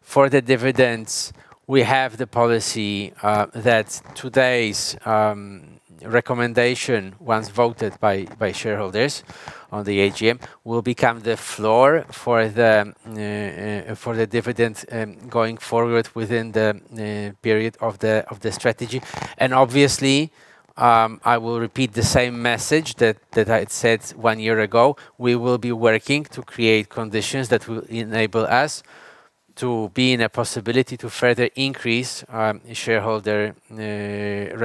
for the dividends, we have the policy that today's recommendation, once voted by shareholders on the AGM, will become the floor for the dividend going forward within the period of the strategy. Obviously, I will repeat the same message that I had said one year ago: we will be working to create conditions that will enable us to be in a possibility to further increase shareholder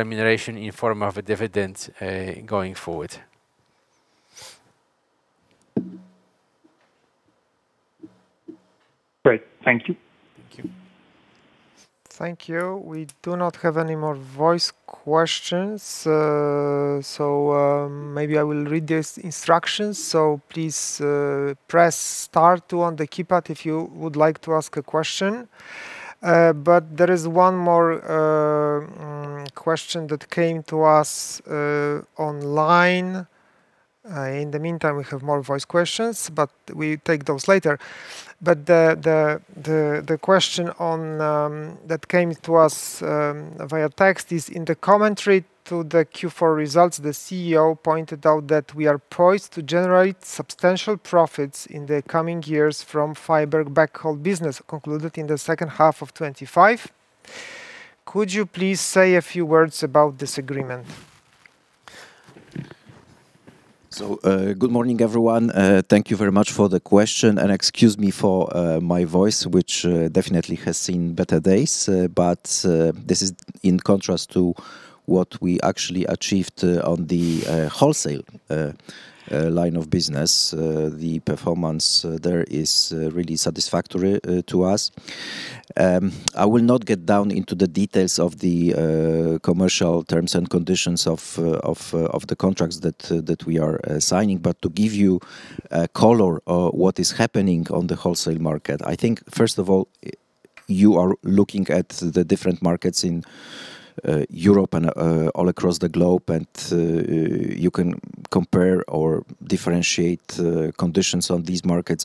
remuneration in form of a dividend going forward. Great. Thank you. Thank you. Thank you. We do not have any more voice questions, so maybe I will read these instructions. So please, press star two on the keypad if you would like to ask a question. But there is one more question that came to us online. In the meantime, we have more voice questions, but we take those later. But the question that came to us via text is: in the commentary to the Q4 results, the CEO pointed out that we are poised to generate substantial profits in the coming years from fiber backhaul business, concluded in the second half of 2025. Could you please say a few words about this agreement? So, good morning, everyone. Thank you very much for the question, and excuse me for my voice, which definitely has seen better days, but this is in contrast to what we actually achieved on the wholesale line of business. The performance there is really satisfactory to us. I will not get down into the details of the commercial terms and conditions of the contracts that we are signing, but to give you color on what is happening on the wholesale market. I think, first of all, you are looking at the different markets in Europe and all across the globe, and you can compare or differentiate conditions on these markets.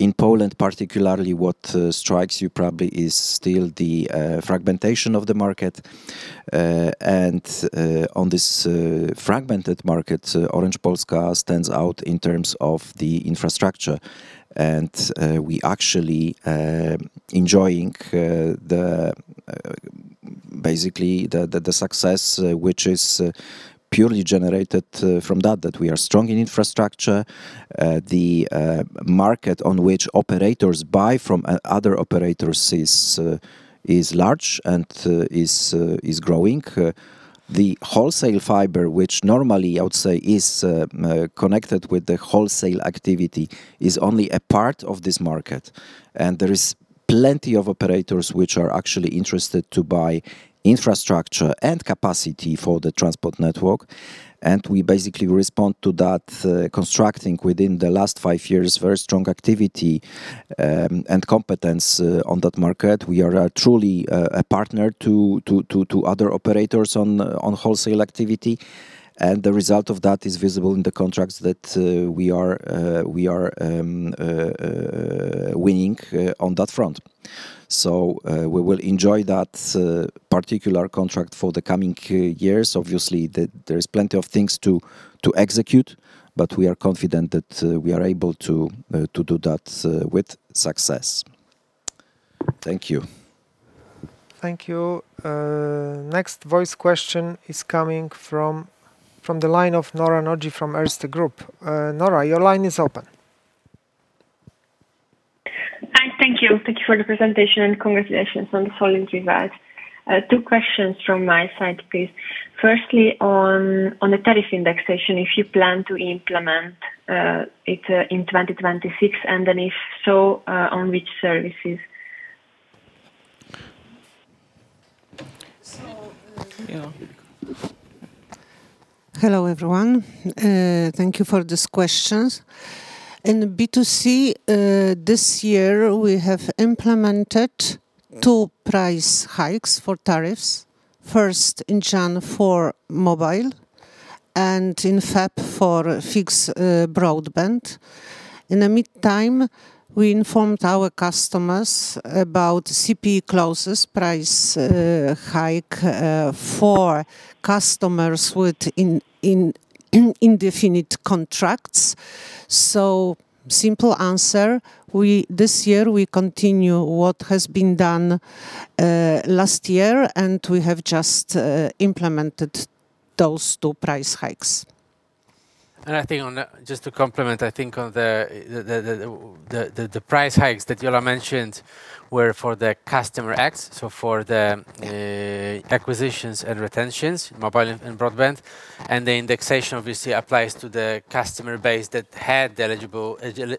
In Poland, particularly, what strikes you probably is still the fragmentation of the market. On this fragmented market, Orange Polska stands out in terms of the infrastructure. We actually enjoying basically the success which is purely generated from that we are strong in infrastructure. The market on which operators buy from other operators is large and is growing. The wholesale fiber, which normally I would say is connected with the wholesale activity, is only a part of this market, and there is plenty of operators which are actually interested to buy infrastructure and capacity for the transport network. We basically respond to that, constructing within the last five years, very strong activity and competence on that market. We are truly a partner to other operators on wholesale activity, and the result of that is visible in the contracts that we are winning on that front. So, we will enjoy that particular contract for the coming five years. Obviously, there is plenty of things to execute, but we are confident that we are able to do that with success. Thank you. Thank you. Next voice question is coming from the line of Nora Nagy from Erste Group. Nora, your line is open. Hi. Thank you. Thank you for the presentation, and congratulations on the solid results. Two questions from my side, please. Firstly, on the tariff indexation, if you plan to implement it in 2026, and then if so, on which services? So, yeah. Hello, everyone. Thank you for these questions. In B2C, this year, we have implemented two price hikes for tariffs. First, in January for mobile and in February for fixed broadband. In the meantime, we informed our customers about CPI clauses price hike for customers with indefinite contracts. So simple answer, this year we continue what has been done last year, and we have just implemented those two price hikes. I think on that. Just to complement, I think on the price hikes that Jola mentioned were for the customer X, so for the acquisitions and retentions, mobile and broadband. And the indexation obviously applies to the customer base that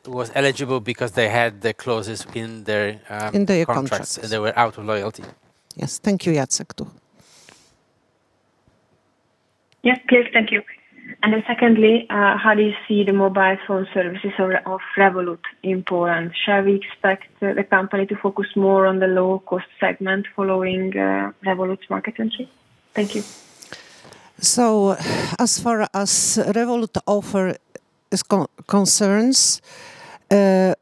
was eligible because they had the clauses in their, In their contracts.... contracts, and they were out of loyalty. Yes. Thank you, Jacek, too. Yes, clear. Thank you. And then secondly, how do you see the mobile phone services or of Revolut in Poland? Shall we expect the company to focus more on the low-cost segment following Revolut market entry? Thank you. So as far as Revolut offer is concerns,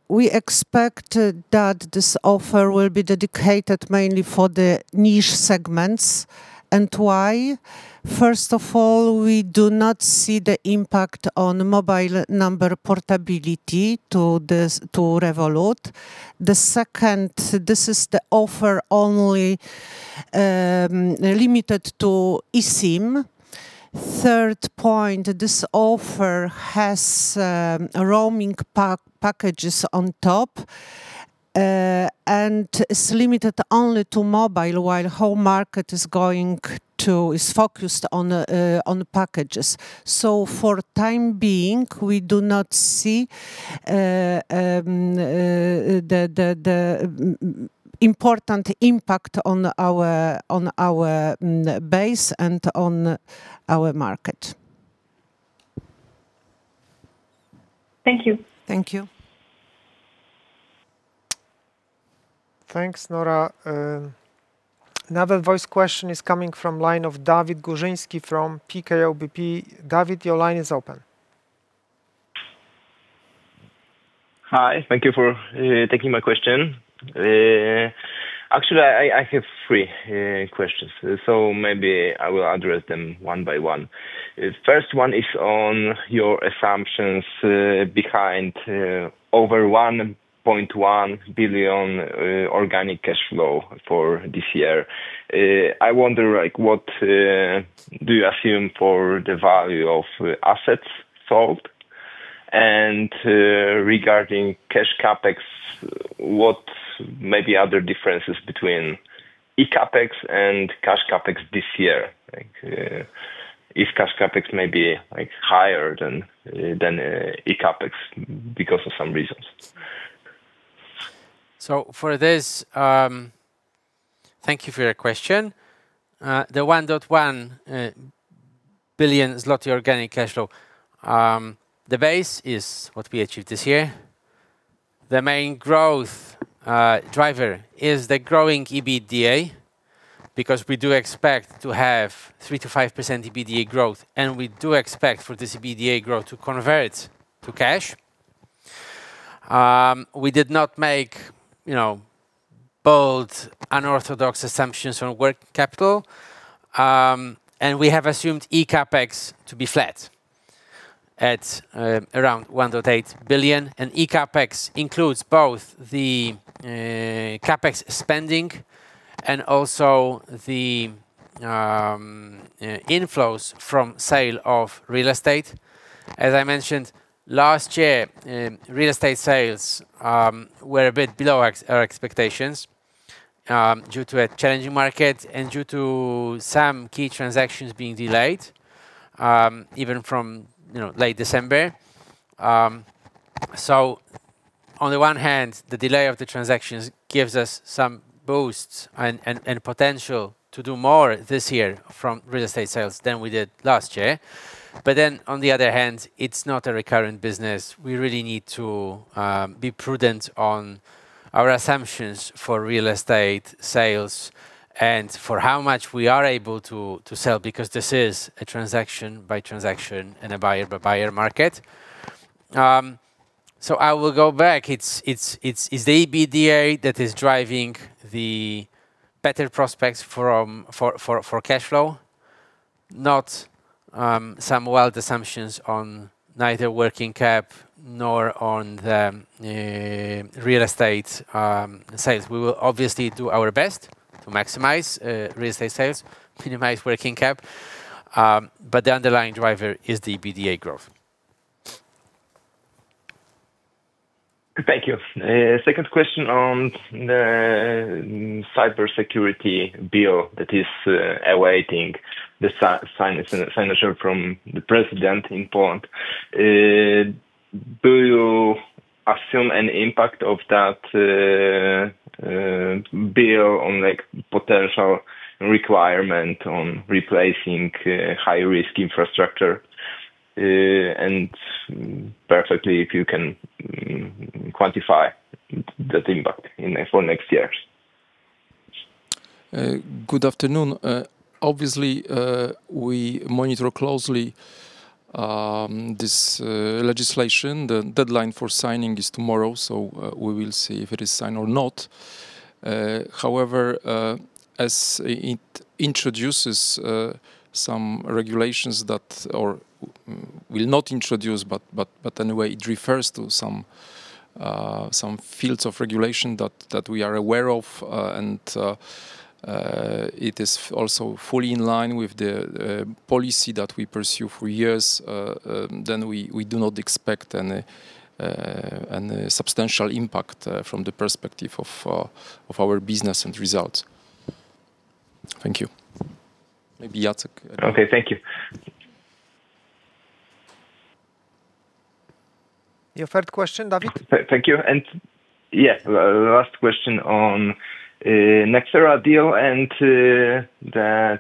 we expect that this offer will be dedicated mainly for the niche segments. And why? First of all, we do not see the impact on mobile number portability to this, to Revolut. The second, this is the offer only, limited to eSIM. Third point, this offer has, roaming packages on top, and is limited only to mobile, while whole market is going to, is focused on, on the packages. So for time being, we do not see, the important impact on our, on our base and on our market. Thank you. Thank you. Thanks, Nora. Another voice question is coming from line of Dawid Górzyński from PKO BP. David, your line is open. Hi, thank you for taking my question. Actually, I have three questions, so maybe I will address them one by one. First one is on your assumptions behind over 1.1 billion organic cash flow for this year. I wonder, like, what do you assume for the value of assets sold? And regarding cash CapEx, what may be other differences between eCapEx and cash CapEx this year? Like, if cash CapEx may be, like, higher than eCapEx because of some reasons. Thank you for your question. The 1.1 billion zloty organic cash flow, the base is what we achieved this year. The main growth driver is the growing EBITDA, because we do expect to have 3%-5% EBITDA growth, and we do expect for this EBITDA growth to convert to cash. We did not make, you know, bold, unorthodox assumptions on working capital. And we have assumed eCapEx to be flat at around 1.8 billion. ECapEx includes both the CapEx spending and also the inflows from sale of real estate. As I mentioned, last year, real estate sales were a bit below our expectations, due to a challenging market and due to some key transactions being delayed, even from, you know, late December. So on the one hand, the delay of the transactions gives us some boosts and potential to do more this year from real estate sales than we did last year. But then on the other hand, it's not a recurrent business. We really need to be prudent on our assumptions for real estate sales and for how much we are able to sell, because this is a transaction by transaction and a buyer by buyer market. So I will go back. It's the EBITDA that is driving the better prospects for cash flow, not some wild assumptions on neither working cap nor on the real estate sales. We will obviously do our best to maximize real estate sales, minimize working cap, but the underlying driver is the EBITDA growth. Thank you. Second question on the cybersecurity bill that is awaiting the signature from the president in Poland. Do you assume an impact of that bill on, like, potential requirement on replacing high-risk infrastructure? And perfectly if you can quantify that impact in for next years. Good afternoon. Obviously, we monitor closely this legislation. The deadline for signing is tomorrow, so we will see if it is signed or not. However, as it introduces some regulations that or will not introduce, but anyway, it refers to some fields of regulation that we are aware of. And it is also fully in line with the policy that we pursue for years. Then we do not expect any substantial impact from the perspective of our business and results. Thank you. Maybe Jacek- Okay, thank you. Your third question, David? Thank you. And, yeah, last question on Nexera deal, and the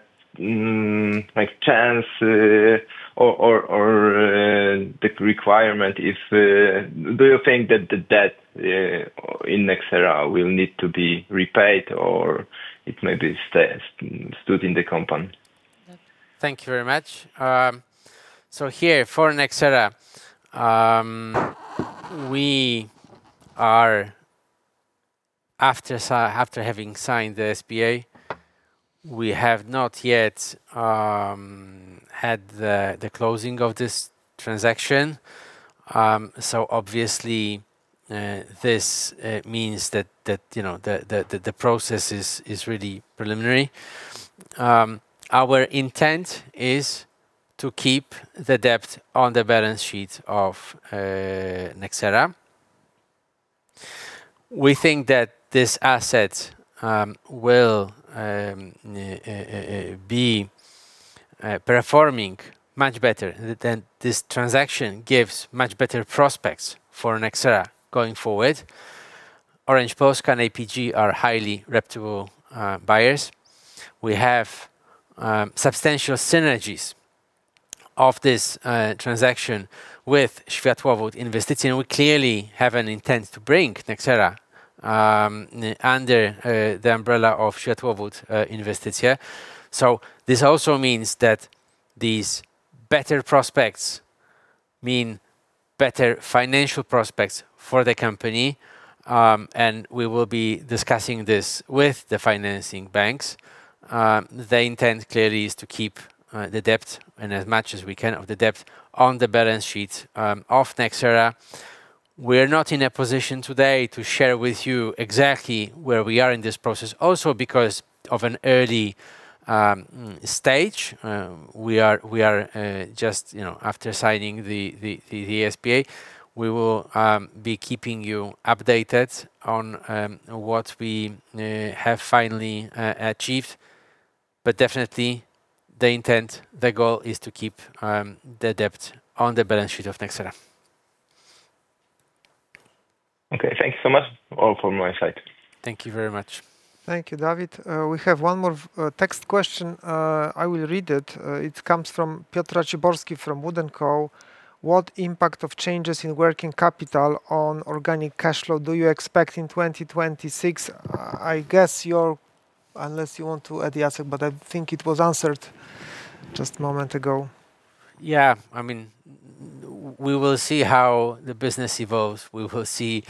like chance or the requirement if. Do you think that the debt in Nexera will need to be repaid, or it may be stood in the company? Thank you very much. So here, for Nexera, we are, after having signed the SPA, we have not yet had the closing of this transaction. So obviously, this means that, you know, the process is really preliminary. Our intent is to keep the debt on the balance sheet of Nexera. We think that this asset will be performing much better, than this transaction gives much better prospects for Nexera going forward. Orange Polska and APG are highly reputable buyers. We have substantial synergies of this transaction with Światłowód Inwestycje, and we clearly have an intent to bring Nexera under the umbrella of Światłowód Inwestycje. So this also means that these better prospects mean better financial prospects for the company, and we will be discussing this with the financing banks. The intent clearly is to keep the debt and as much as we can of the debt on the balance sheet of Nexera. We're not in a position today to share with you exactly where we are in this process, also because of an early stage. We are just, you know, after signing the SPA. We will be keeping you updated on what we have finally achieved, but definitely the intent, the goal is to keep the debt on the balance sheet of Nexera. Okay. Thank you so much all from my side. Thank you very much. Thank you, David. We have one more text question. I will read it. It comes from Piotr Raciborski from WOOD & Company. What impact of changes in working capital on organic cash flow do you expect in 2026? I guess you're. Unless you want to add the answer, but I think it was answered just a moment ago. Yeah. I mean, we will see how the business evolves. We will see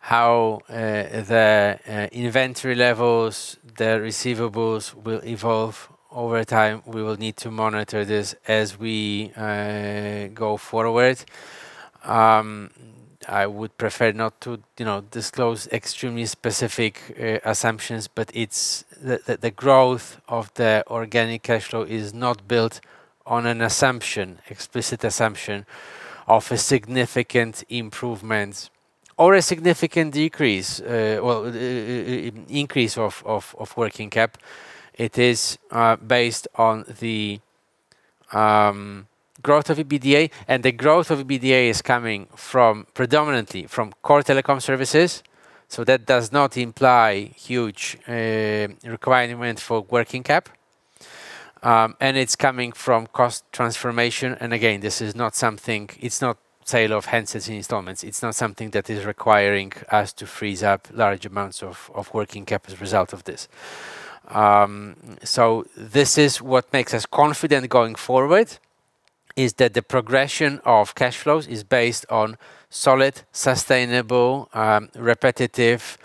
how the inventory levels, the receivables will evolve over time. We will need to monitor this as we go forward. I would prefer not to, you know, disclose extremely specific assumptions, but it's the growth of the organic cash flow is not built on an assumption, explicit assumption of a significant improvement or a significant decrease, well, increase of working cap. It is based on the growth of EBITDA, and the growth of EBITDA is coming from predominantly from core telecom services, so that does not imply huge requirement for working cap. And it's coming from cost transformation. And again, this is not something, it's not sale of handsets in installments. It's not something that is requiring us to freeze up large amounts of, of working cap as a result of this. So this is what makes us confident going forward, is that the progression of cash flows is based on solid, sustainable, repetitive,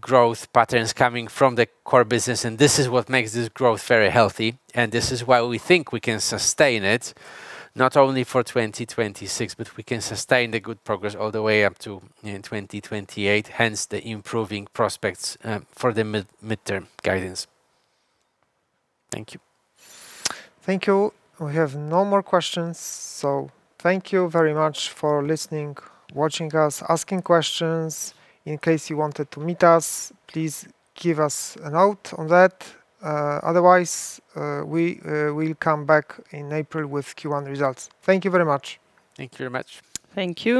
growth patterns coming from the core business, and this is what makes this growth very healthy, and this is why we think we can sustain it, not only for 2026, but we can sustain the good progress all the way up to, 2028, hence the improving prospects, for the mid-term guidance. Thank you. Thank you. We have no more questions, so thank you very much for listening, watching us, asking questions. In case you wanted to meet us, please give us a note on that. Otherwise, we will come back in April with Q1 results. Thank you very much. Thank you very much. Thank you.